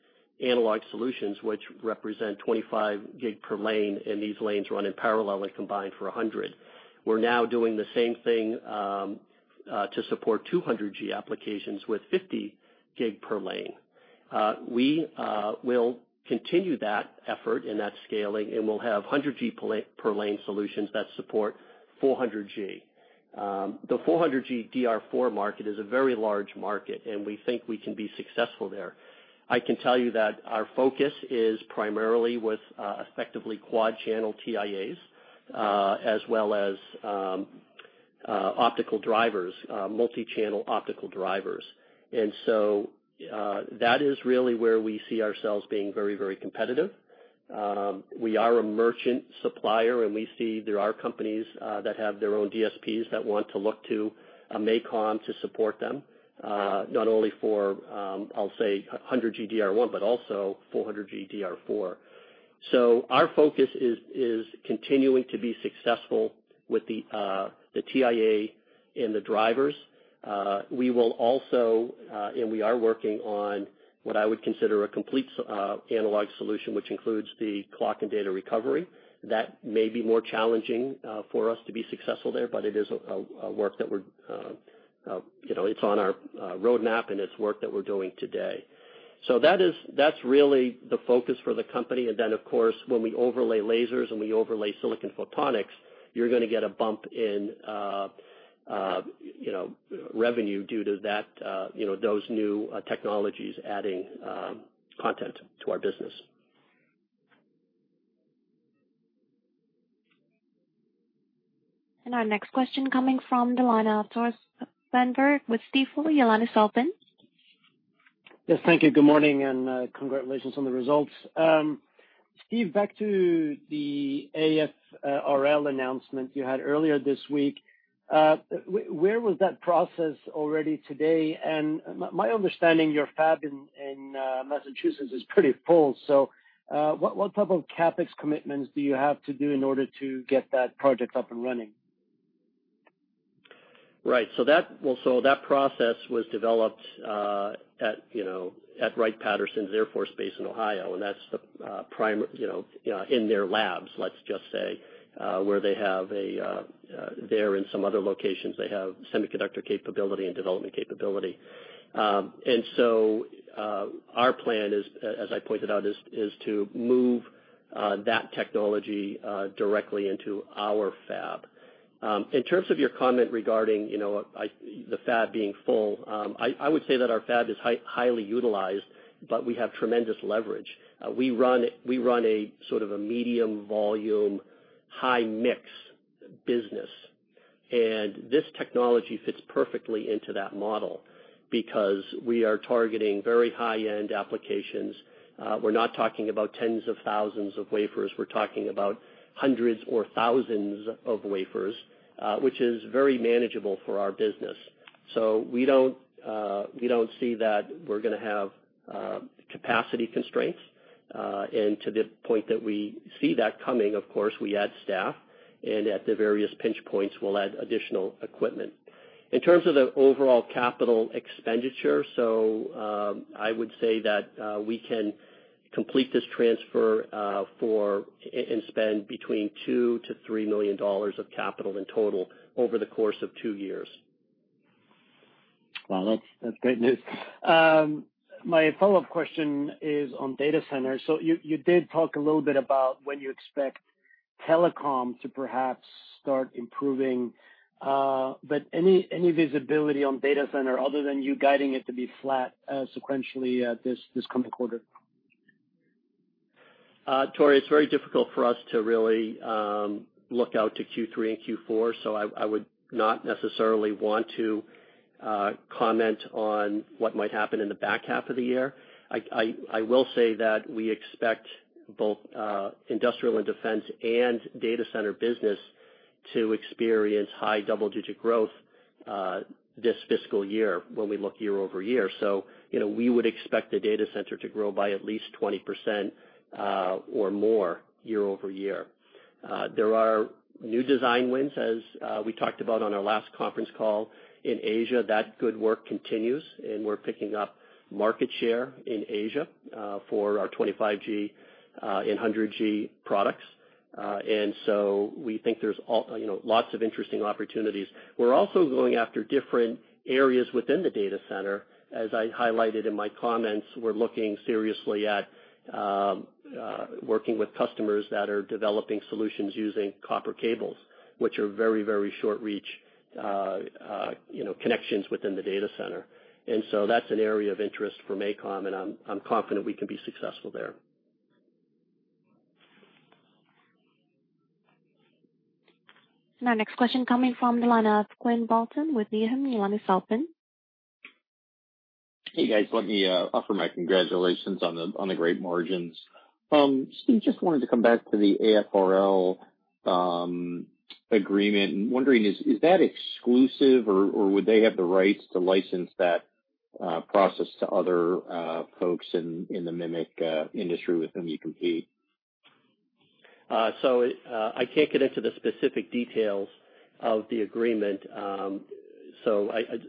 analog solutions, which represent 25G per lane, and these lanes run in parallel and combine for 100. We're now doing the same thing to support 200G applications with 50G per lane. We will continue that effort and that scaling, we'll have 100G per lane solutions that support 400G. The 400G DR4 market is a very large market, we think we can be successful there. I can tell you that our focus is primarily with effectively quad-channel TIAs as well as optical drivers, multi-channel optical drivers. That is really where we see ourselves being very competitive. We are a merchant supplier, we see there are companies that have their own DSPs that want to look to MACOM to support them not only for, I'll say, 100G DR1, but also 400G DR4. Our focus is continuing to be successful with the TIA and the drivers. We will also, and we are working on what I would consider a complete analog solution, which includes the clock and data recovery. That may be more challenging for us to be successful there, but it is a work that's on our roadmap, and it's work that we're doing today. That's really the focus for the company. Then, of course, when we overlay lasers and we overlay silicon photonics, you're going to get a bump in revenue due to those new technologies adding content to our business. Our next question coming from the line of Tore Svanberg with Stifel. Your line is open. Yes. Thank you. Good morning, and congratulations on the results. Steve, back to the AFRL announcement you had earlier this week. Where was that process already today? My understanding, your fab in Massachusetts is pretty full. What type of CapEx commitments do you have to do in order to get that project up and running? Right. That process was developed at Wright-Patterson Air Force Base in Ohio, in their labs, let's just say, where they have, there and some other locations, they have semiconductor capability and development capability. Our plan is, as I pointed out, is to move that technology directly into our fab. In terms of your comment regarding the fab being full, I would say that our fab is highly utilized, but we have tremendous leverage. We run a sort of a medium volume, high mix business, and this technology fits perfectly into that model because we are targeting very high-end applications. We're not talking about tens of thousands of wafers. We're talking about hundreds or thousands of wafers, which is very manageable for our business. We don't see that we're going to have capacity constraints. To the point that we see that coming, of course, we add staff, and at the various pinch points, we'll add additional equipment. In terms of the overall capital expenditure, I would say that we can complete this transfer and spend between $2 million-$3 million of capital in total over the course of two years. Wow, that's great news. My follow-up question is on Data Center. You did talk a little bit about when you expect Telecom to perhaps start improving. Any visibility on Data Center other than you guiding it to be flat sequentially this coming quarter? Tore, it's very difficult for us to really look out to Q3 and Q4, so I would not necessarily want to comment on what might happen in the back half of the year. I will say that we expect both Industrial & Defense and Data Center business to experience high double-digit growth this fiscal year when we look year-over-year. We would expect the Data Center to grow by at least 20% or more year-over-year. There are new design wins, as we talked about on our last conference call in Asia. That good work continues, and we're picking up market share in Asia for our 25G and 100G products. We think there's lots of interesting opportunities. We're also going after different areas within the Data Center. As I highlighted in my comments, we're looking seriously at working with customers that are developing solutions using copper cables, which are very short-reach connections within the Data Center. That's an area of interest for MACOM, and I'm confident we can be successful there. Our next question coming from the line of Quinn Bolton with Needham. Your line is open. Hey, guys, let me offer my congratulations on the great margins. Steve, just wanted to come back to the AFRL agreement, and wondering, is that exclusive, or would they have the rights to license that process to other folks in the MMIC industry with whom you compete? I can't get into the specific details of the agreement,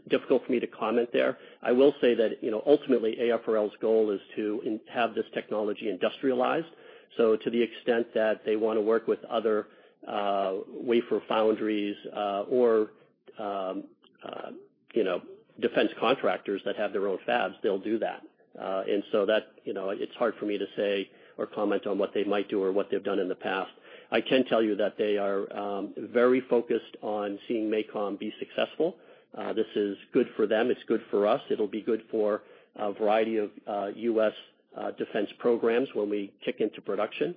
difficult for me to comment there. I will say that ultimately, AFRL's goal is to have this technology industrialized. To the extent that they want to work with other wafer foundries, or defense contractors that have their own fabs, they'll do that. It's hard for me to say or comment on what they might do or what they've done in the past. I can tell you that they are very focused on seeing MACOM be successful. This is good for them. It's good for us. It'll be good for a variety of U.S. defense programs when we kick into production.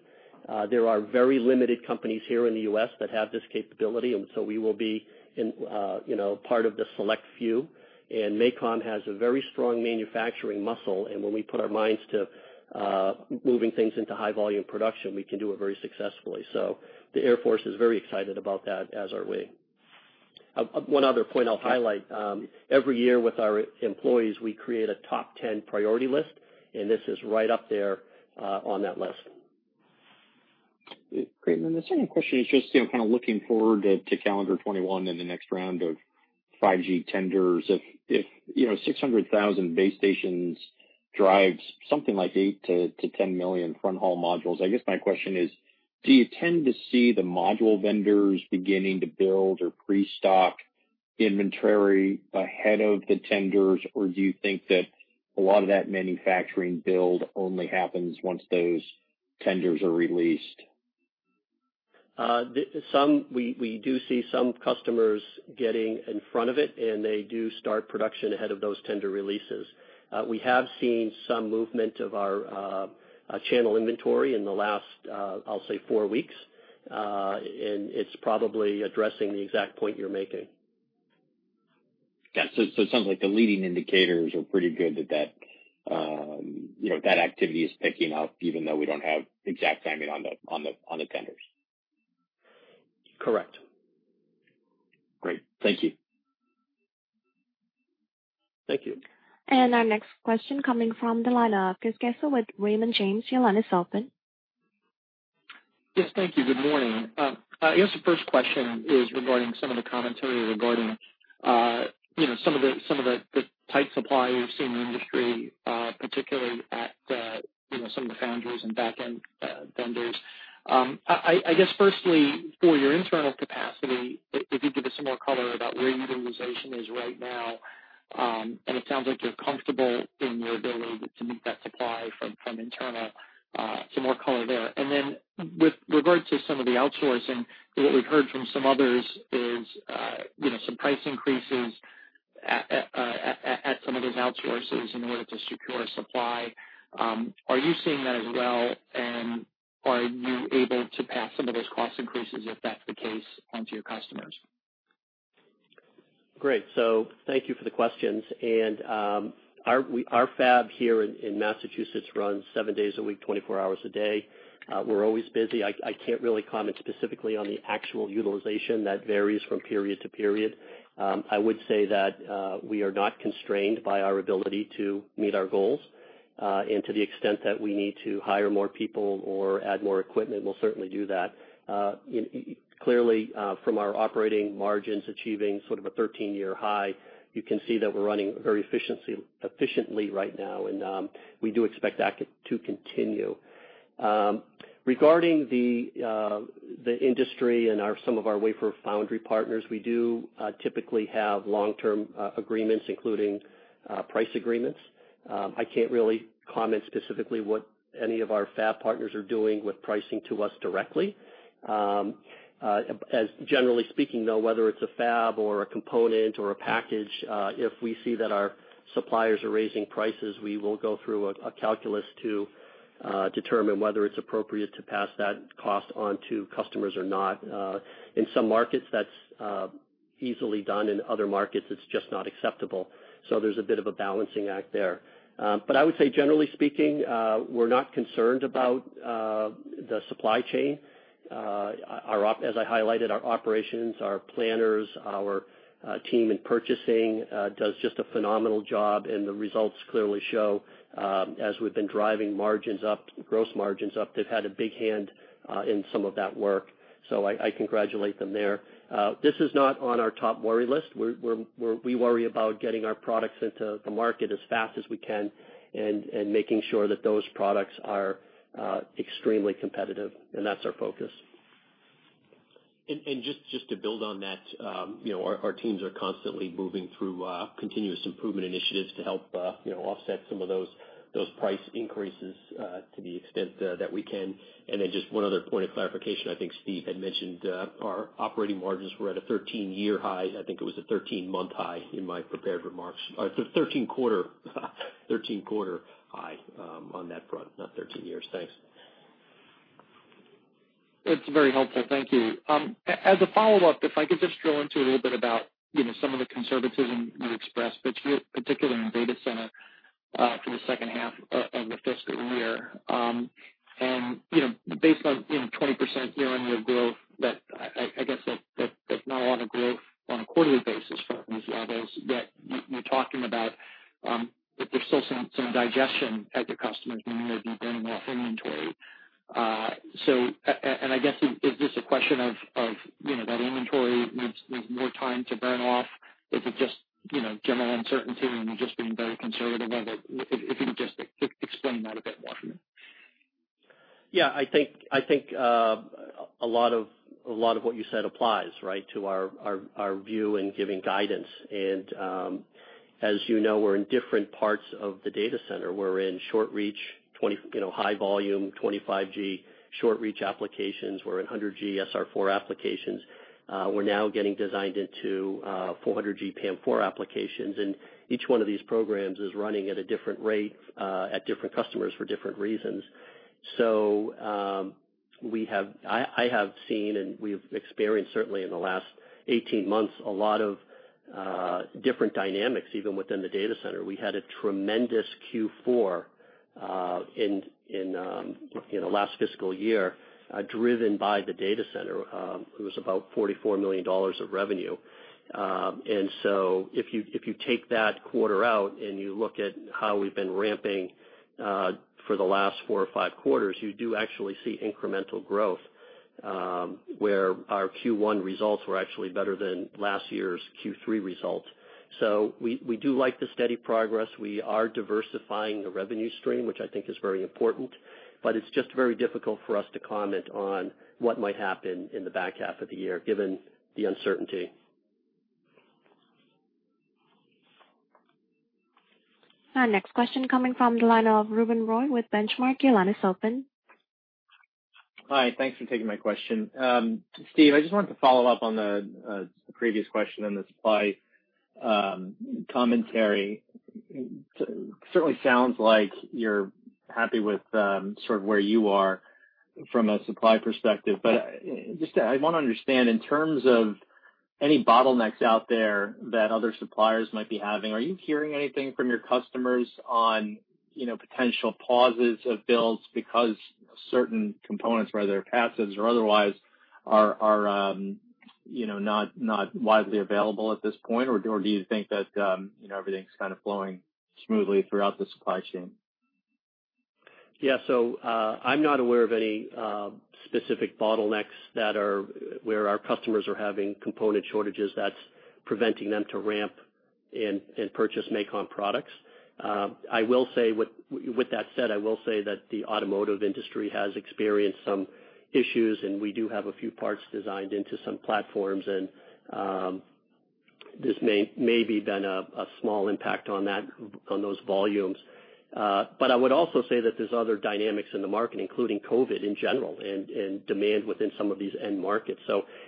There are very limited companies here in the U.S. that have this capability, and so we will be part of the select few. MACOM has a very strong manufacturing muscle, and when we put our minds to moving things into high volume production, we can do it very successfully. The Air Force is very excited about that, as are we. One other point I'll highlight. Every year with our employees, we create a top 10 priority list, and this is right up there on that list. Great. Then the second question is just kind of looking forward to calendar 2021 and the next round of 5G tenders. If 600,000 base stations drives something like 8-10 million fronthaul modules, I guess my question is, do you tend to see the module vendors beginning to build or pre-stock inventory ahead of the tenders, or do you think that a lot of that manufacturing build only happens once those tenders are released? We do see some customers getting in front of it, and they do start production ahead of those tender releases. We have seen some movement of our channel inventory in the last, I'll say four weeks, and it's probably addressing the exact point you're making. Got it. It sounds like the leading indicators are pretty good that that activity is picking up even though we don't have exact timing on the tenders. Correct. Great. Thank you. Thank you. Our next question coming from the line of Chris Caso with Raymond James. Your line is open. Yes. Thank you. Good morning. I guess the first question is regarding some of the commentary regarding some of the tight supply we've seen in the industry, particularly at some of the foundries and back-end vendors. I guess firstly, for your internal capacity, if you could give us some more color about where utilization is right now, and it sounds like you're comfortable in your ability to meet that supply from internal, some more color there. With regard to some of the outsourcing, what we've heard from some others is some price increases at some of those outsources in order to secure supply. Are you seeing that as well, and are you able to pass some of those cost increases, if that's the case, on to your customers? Great. Thank you for the questions. Our fab here in Massachusetts runs seven days a week, 24 hours a day. We're always busy. I can't really comment specifically on the actual utilization. That varies from period to period. I would say that we are not constrained by our ability to meet our goals. To the extent that we need to hire more people or add more equipment, we'll certainly do that. Clearly, from our operating margins achieving sort of a 13-year high, you can see that we're running very efficiently right now, and we do expect that to continue. Regarding the industry and some of our wafer foundry partners, we do typically have long-term agreements, including price agreements. I can't really comment specifically what any of our fab partners are doing with pricing to us directly. Generally speaking, though, whether it's a fab or a component or a package, if we see that our suppliers are raising prices, we will go through a calculus to determine whether it's appropriate to pass that cost on to customers or not. In some markets, that's easily done. In other markets, it's just not acceptable. There's a bit of a balancing act there. I would say, generally speaking, we're not concerned about the supply chain. As I highlighted, our operations, our planners, our team in purchasing does just a phenomenal job, and the results clearly show as we've been driving margins up, gross margins up, they've had a big hand in some of that work. I congratulate them there. This is not on our top worry list. We worry about getting our products into the market as fast as we can and making sure that those products are extremely competitive, and that's our focus. Just to build on that, our teams are constantly moving through continuous improvement initiatives to help offset some of those price increases to the extent that we can. Then just one other point of clarification. I think Steve had mentioned our operating margins were at a 13-year high. I think it was a 13-month high in my prepared remarks. It's a 13-quarter high on that front, not 13 years. Thanks. It's very helpful. Thank you. As a follow-up, if I could just drill into a little bit about some of the conservatism you expressed, particularly in Data Center for the second half of the fiscal year. Based on 20% year-on-year growth, I guess that's not a lot of growth on a quarterly basis from those levels that you're talking about, that there's still some digestion as your customers may be burning off inventory. I guess is this a question of that inventory needs more time to burn off? Is it just general uncertainty and you're just being very conservative of it? If you could just explain that a bit more. I think a lot of what you said applies to our view in giving guidance. As you know, we're in different parts of the Data Center. We're in short reach, high volume, 25G short reach applications. We're in 100G SR4 applications. We're now getting designed into 400G PAM4 applications, each one of these programs is running at a different rate at different customers for different reasons. I have seen, and we've experienced certainly in the last 18 months, a lot of different dynamics even within the DataCenter. We had a tremendous Q4 in the last fiscal year driven by the Data Center. It was about $44 million of revenue. If you take that quarter out and you look at how we've been ramping for the last four or five quarters, you do actually see incremental growth, where our Q1 results were actually better than last year's Q3 results. We do like the steady progress. We are diversifying the revenue stream, which I think is very important, but it's just very difficult for us to comment on what might happen in the back half of the year given the uncertainty. Our next question coming from the line of Ruben Roy with Benchmark. Your line is open. Hi. Thanks for taking my question. Steve, I just wanted to follow up on the previous question on the supply commentary. Certainly sounds like you're happy with sort of where you are from a supply perspective, but just I want to understand in terms of any bottlenecks out there that other suppliers might be having, are you hearing anything from your customers on potential pauses of builds because certain components, whether passive or otherwise, are not widely available at this point? Or do you think that everything's kind of flowing smoothly throughout the supply chain? I'm not aware of any specific bottlenecks where our customers are having component shortages that's preventing them to ramp and purchase MACOM products. With that said, I will say that the automotive industry has experienced some issues, and we do have a few parts designed into some platforms and this may be been a small impact on those volumes. I would also say that there's other dynamics in the market, including COVID in general and demand within some of these end markets.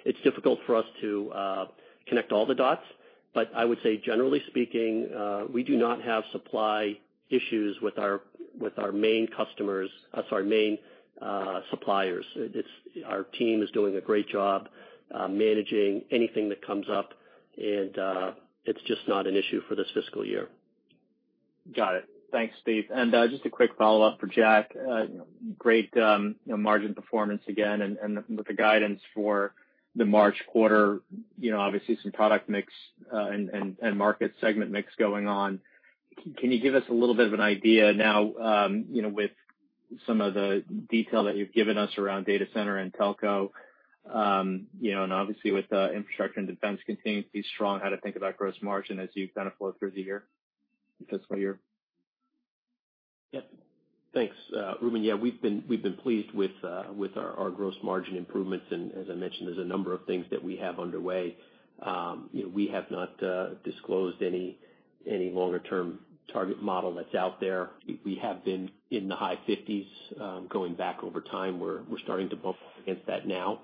It's difficult for us to connect all the dots. I would say, generally speaking, we do not have supply issues with our main suppliers. Our team is doing a great job managing anything that comes up, and it's just not an issue for this fiscal year. Got it. Thanks, Steve. Just a quick follow-up for Jack. Great margin performance again and with the guidance for the March quarter, obviously some product mix and market segment mix going on. Can you give us a little bit of an idea now with some of the detail that you've given us around Data Center and telco, and obviously with infrastructure and defense continuing to be strong, how to think about gross margin as you kind of flow through the fiscal year? Thanks. Ruben, we've been pleased with our gross margin improvements and as I mentioned, there's a number of things that we have underway. We have not disclosed any longer-term target model that's out there. We have been in the high 50%s, going back over time. We're starting to bump up against that now,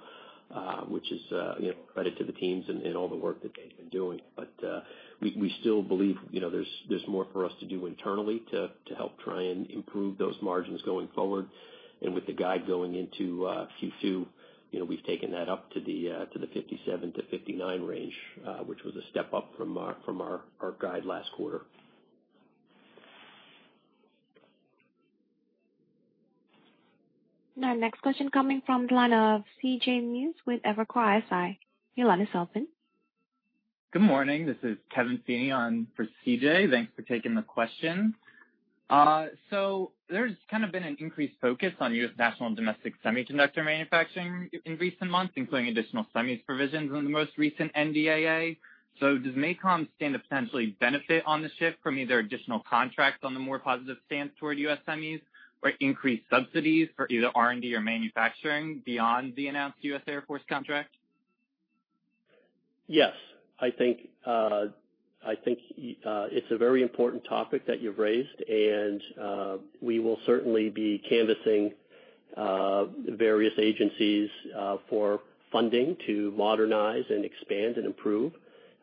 which is credit to the teams and all the work that they've been doing. We still believe there's more for us to do internally to help try and improve those margins going forward. With the guide going into Q2, we've taken that up to the 57%-59% range, which was a step up from our guide last quarter. Now, next question coming from the line of CJ Muse with Evercore ISI. Your line is open. Good morning. This is Kevin Feeney for CJ. Thanks for taking the question. There's kind of been an increased focus on U.S. national and domestic semiconductor manufacturing in recent months, including additional semis provisions in the most recent NDAA. Does MACOM stand to potentially benefit on the shift from either additional contracts on the more positive stance toward U.S. semis or increased subsidies for either R&D or manufacturing beyond the announced U.S. Air Force contract? Yes. I think it's a very important topic that you've raised, and we will certainly be canvassing various agencies for funding to modernize and expand and improve.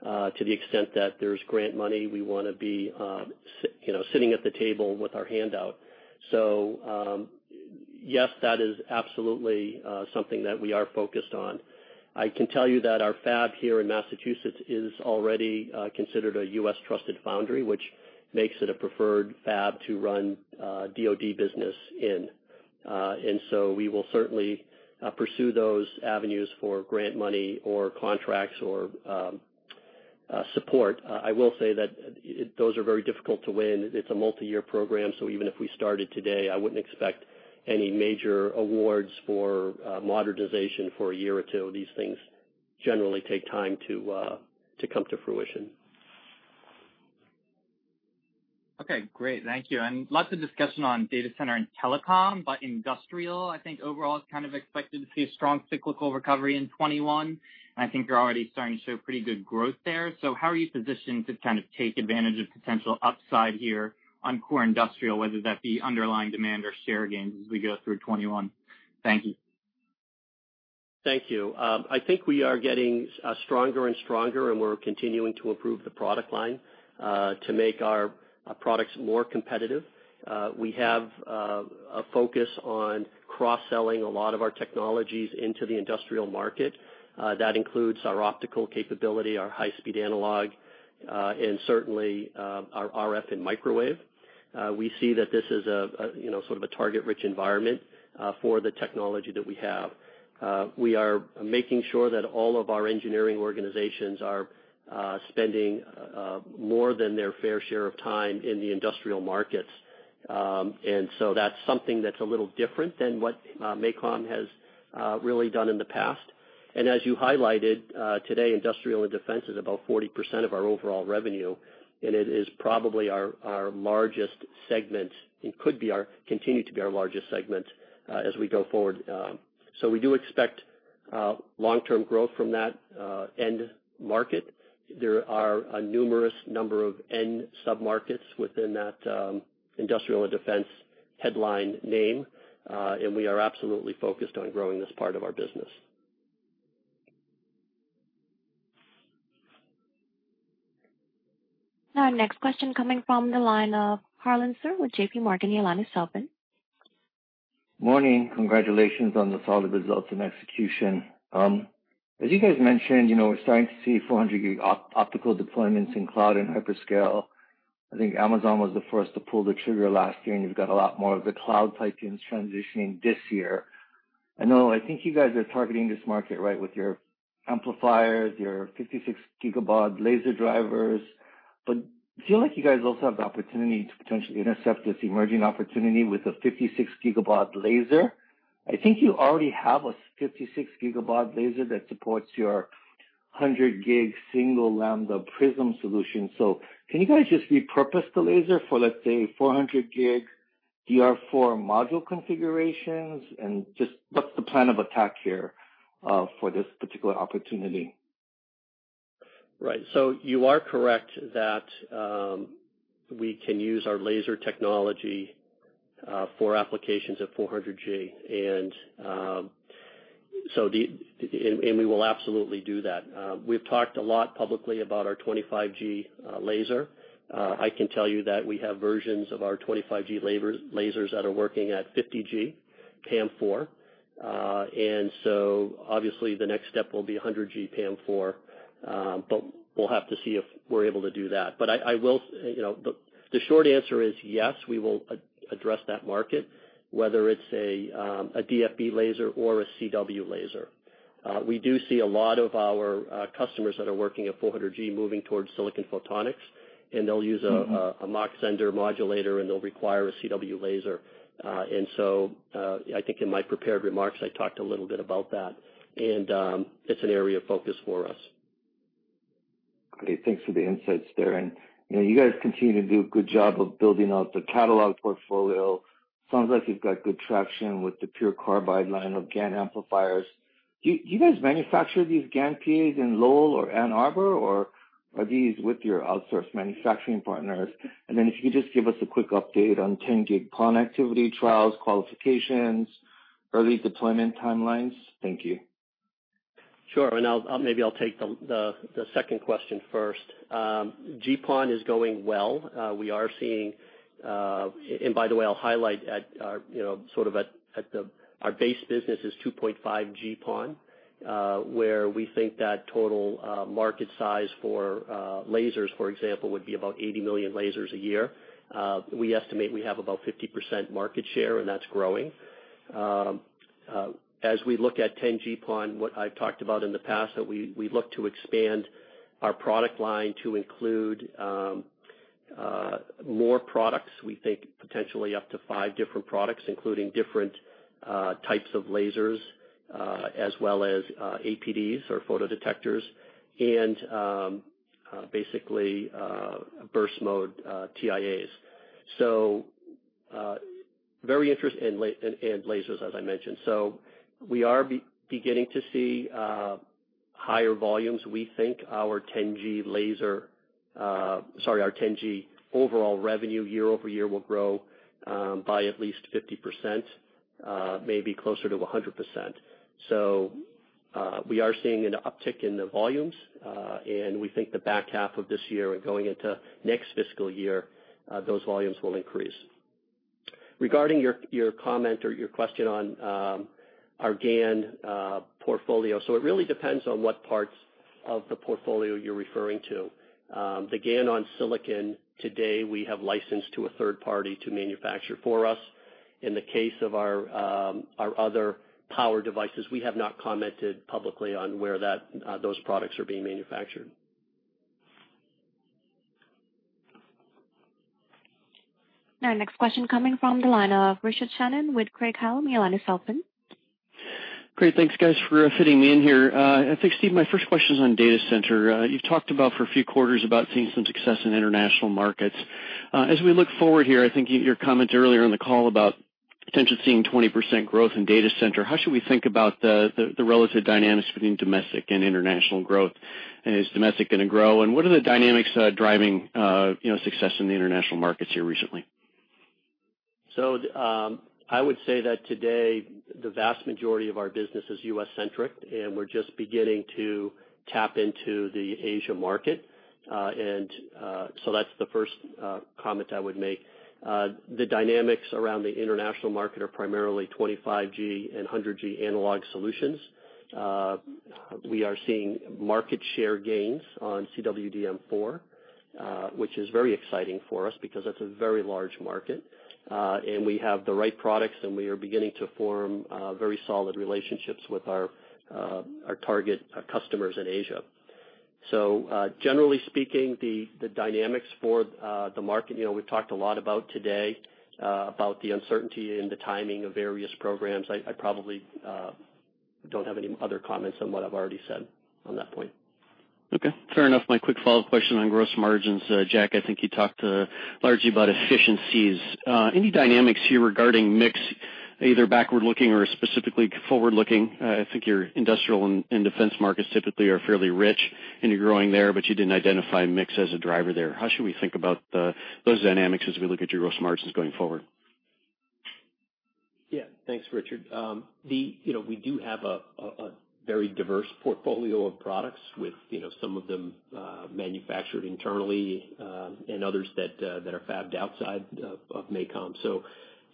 To the extent that there's grant money, we want to be sitting at the table with our hand out. Yes, that is absolutely something that we are focused on. I can tell you that our fab here in Massachusetts is already considered a U.S. trusted foundry, which makes it a preferred fab to run DoD business in. We will certainly pursue those avenues for grant money or contracts or support. I will say that those are very difficult to win. It's a multi-year program, so even if we started today, I wouldn't expect any major awards for modernization for a year or two. These things generally take time to come to fruition. Okay, great. Thank you. Lots of discussion on Data Center and Telecom, but industrial, I think overall it's kind of expected to see a strong cyclical recovery in 2021, and I think you're already starting to show pretty good growth there. How are you positioned to kind of take advantage of potential upside here on core industrial, whether that be underlying demand or share gains as we go through 2021? Thank you. Thank you. I think we are getting stronger and stronger, and we're continuing to improve the product line to make our products more competitive. We have a focus on cross-selling a lot of our technologies into the industrial market. That includes our optical capability, our high-speed analog, and certainly our RF and microwave. We see that this is sort of a target-rich environment for the technology that we have. We are making sure that all of our engineering organizations are spending more than their fair share of time in the industrial markets. So that's something that's a little different than what MACOM has really done in the past. As you highlighted, today, Industrial & Defense is about 40% of our overall revenue, and it is probably our largest segment and could continue to be our largest segment as we go forward. We do expect long-term growth from that end market. There are a numerous number of end sub-markets within that Industrial & Defense headline name. We are absolutely focused on growing this part of our business. Our next question coming from the line of Harlan Sur with JPMorgan. Your line is open. Morning. Congratulations on the solid results and execution. As you guys mentioned, we're starting to see 400G optical deployments in cloud and hyperscale. Amazon was the first to pull the trigger last year, you've got a lot more of the cloud titans transitioning this year. I know, I think you guys are targeting this market, right, with your amplifiers, your 56 GBaud laser drivers. I feel like you guys also have the opportunity to potentially intercept this emerging opportunity with a 56 GBaud laser. I think you already have a 56 GBaud laser that supports your 100G Single Lambda PRISM solution. Can you guys just repurpose the laser for, let's say, 400G DR4 module configurations? Just what's the plan of attack here for this particular opportunity? Right. You are correct that we can use our laser technology for applications at 400G. We will absolutely do that. We've talked a lot publicly about our 25G laser. I can tell you that we have versions of our 25G lasers that are working at 50G PAM4. Obviously the next step will be 100G PAM4. We'll have to see if we're able to do that. The short answer is yes, we will address that market, whether it's a DFB laser or a CW laser. We do see a lot of our customers that are working at 400G moving towards silicon photonics, and they'll use a Mach-Zehnder Modulator, and they'll require a CW laser. I think in my prepared remarks, I talked a little bit about that, and it's an area of focus for us. Great. Thanks for the insights there. You guys continue to do a good job of building out the catalog portfolio. Sounds like you've got good traction with the PURE CARBIDE line of GaN amplifiers. Do you guys manufacture these GaN PAs in Lowell or Ann Arbor, or are these with your outsourced manufacturing partners? Then if you could just give us a quick update on 10G PON activity trials, qualifications, early deployment timelines. Thank you. Sure. Maybe I'll take the second question first. GPON is going well. I'll highlight at our base business is 2.5G GPON, where we think that total market size for lasers, for example, would be about 80 million lasers a year. We estimate we have about 50% market share, and that's growing. As we look at 10G PON, what I've talked about in the past, that we look to expand our product line to include more products. We think potentially up to five different products, including different types of lasers as well as APDs or photodetectors and basically burst mode TIAs. Very interest in lasers, as I mentioned. We are beginning to see higher volumes. We think our 10G overall revenue year-over-year will grow by at least 50%, maybe closer to 100%. We are seeing an uptick in the volumes. We think the back half of this year and going into next fiscal year, those volumes will increase. Regarding your comment or your question on our GaN portfolio, it really depends on what parts of the portfolio you're referring to. The GaN on Silicon today, we have licensed to a third party to manufacture for us. In the case of our other power devices, we have not commented publicly on where those products are being manufactured. Our next question coming from the line of Richard Shannon with Craig-Hallum. Your line is open. Great. Thanks, guys, for fitting me in here. I think, Steve, my first question is on Data Center. You've talked about for a few quarters about seeing some success in international markets. As we look forward here, I think your comment earlier in the call about potentially seeing 20% growth in Data Center, how should we think about the relative dynamics between domestic and international growth? Is domestic going to grow? What are the dynamics driving success in the international markets here recently? I would say that today, the vast majority of our business is U.S.-centric, and we're just beginning to tap into the Asia market. That's the first comment I would make. The dynamics around the international market are primarily 25G and 100G analog solutions. We are seeing market share gains on CWDM4, which is very exciting for us because that's a very large market. We have the right products, and we are beginning to form very solid relationships with our target customers in Asia. Generally speaking, the dynamics for the market, we've talked a lot about today, about the uncertainty and the timing of various programs. I probably don't have any other comments on what I've already said on that point. Okay, fair enough. My quick follow-up question on gross margins. Jack, I think you talked largely about efficiencies. Any dynamics here regarding mix, either backward-looking or specifically forward-looking? I think your Industrial & Defense markets typically are fairly rich and you're growing there, but you didn't identify mix as a driver there. How should we think about those dynamics as we look at your gross margins going forward? Yeah. Thanks, Richard. We do have a very diverse portfolio of products with some of them manufactured internally, and others that are fabbed outside of MACOM.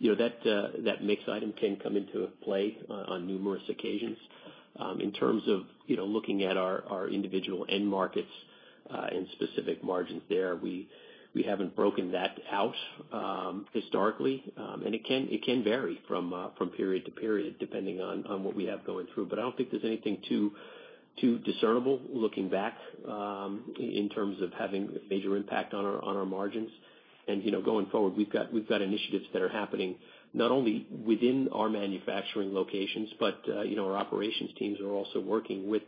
That mix item can come into play on numerous occasions. In terms of looking at our individual end markets and specific margins there, we haven't broken that out historically. It can vary from period to period, depending on what we have going through. I don't think there's anything too discernible looking back in terms of having a major impact on our margins. Going forward, we've got initiatives that are happening not only within our manufacturing locations, but our operations teams are also working with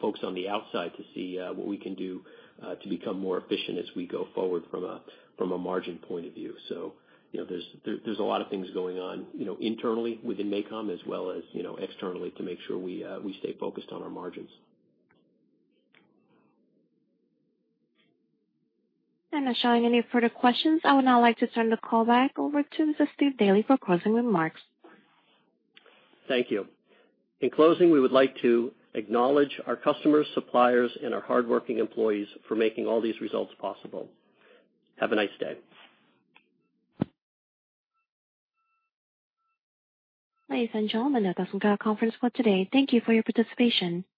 folks on the outside to see what we can do to become more efficient as we go forward from a margin point of view. There's a lot of things going on internally within MACOM as well as externally to make sure we stay focused on our margins. I'm not showing any further questions. I would now like to turn the call back over to Steve Daly for closing remarks. Thank you. In closing, we would like to acknowledge our customers, suppliers, and our hardworking employees for making all these results possible. Have a nice day. Ladies and gentlemen, that does conclude our conference for today. Thank you for your participation.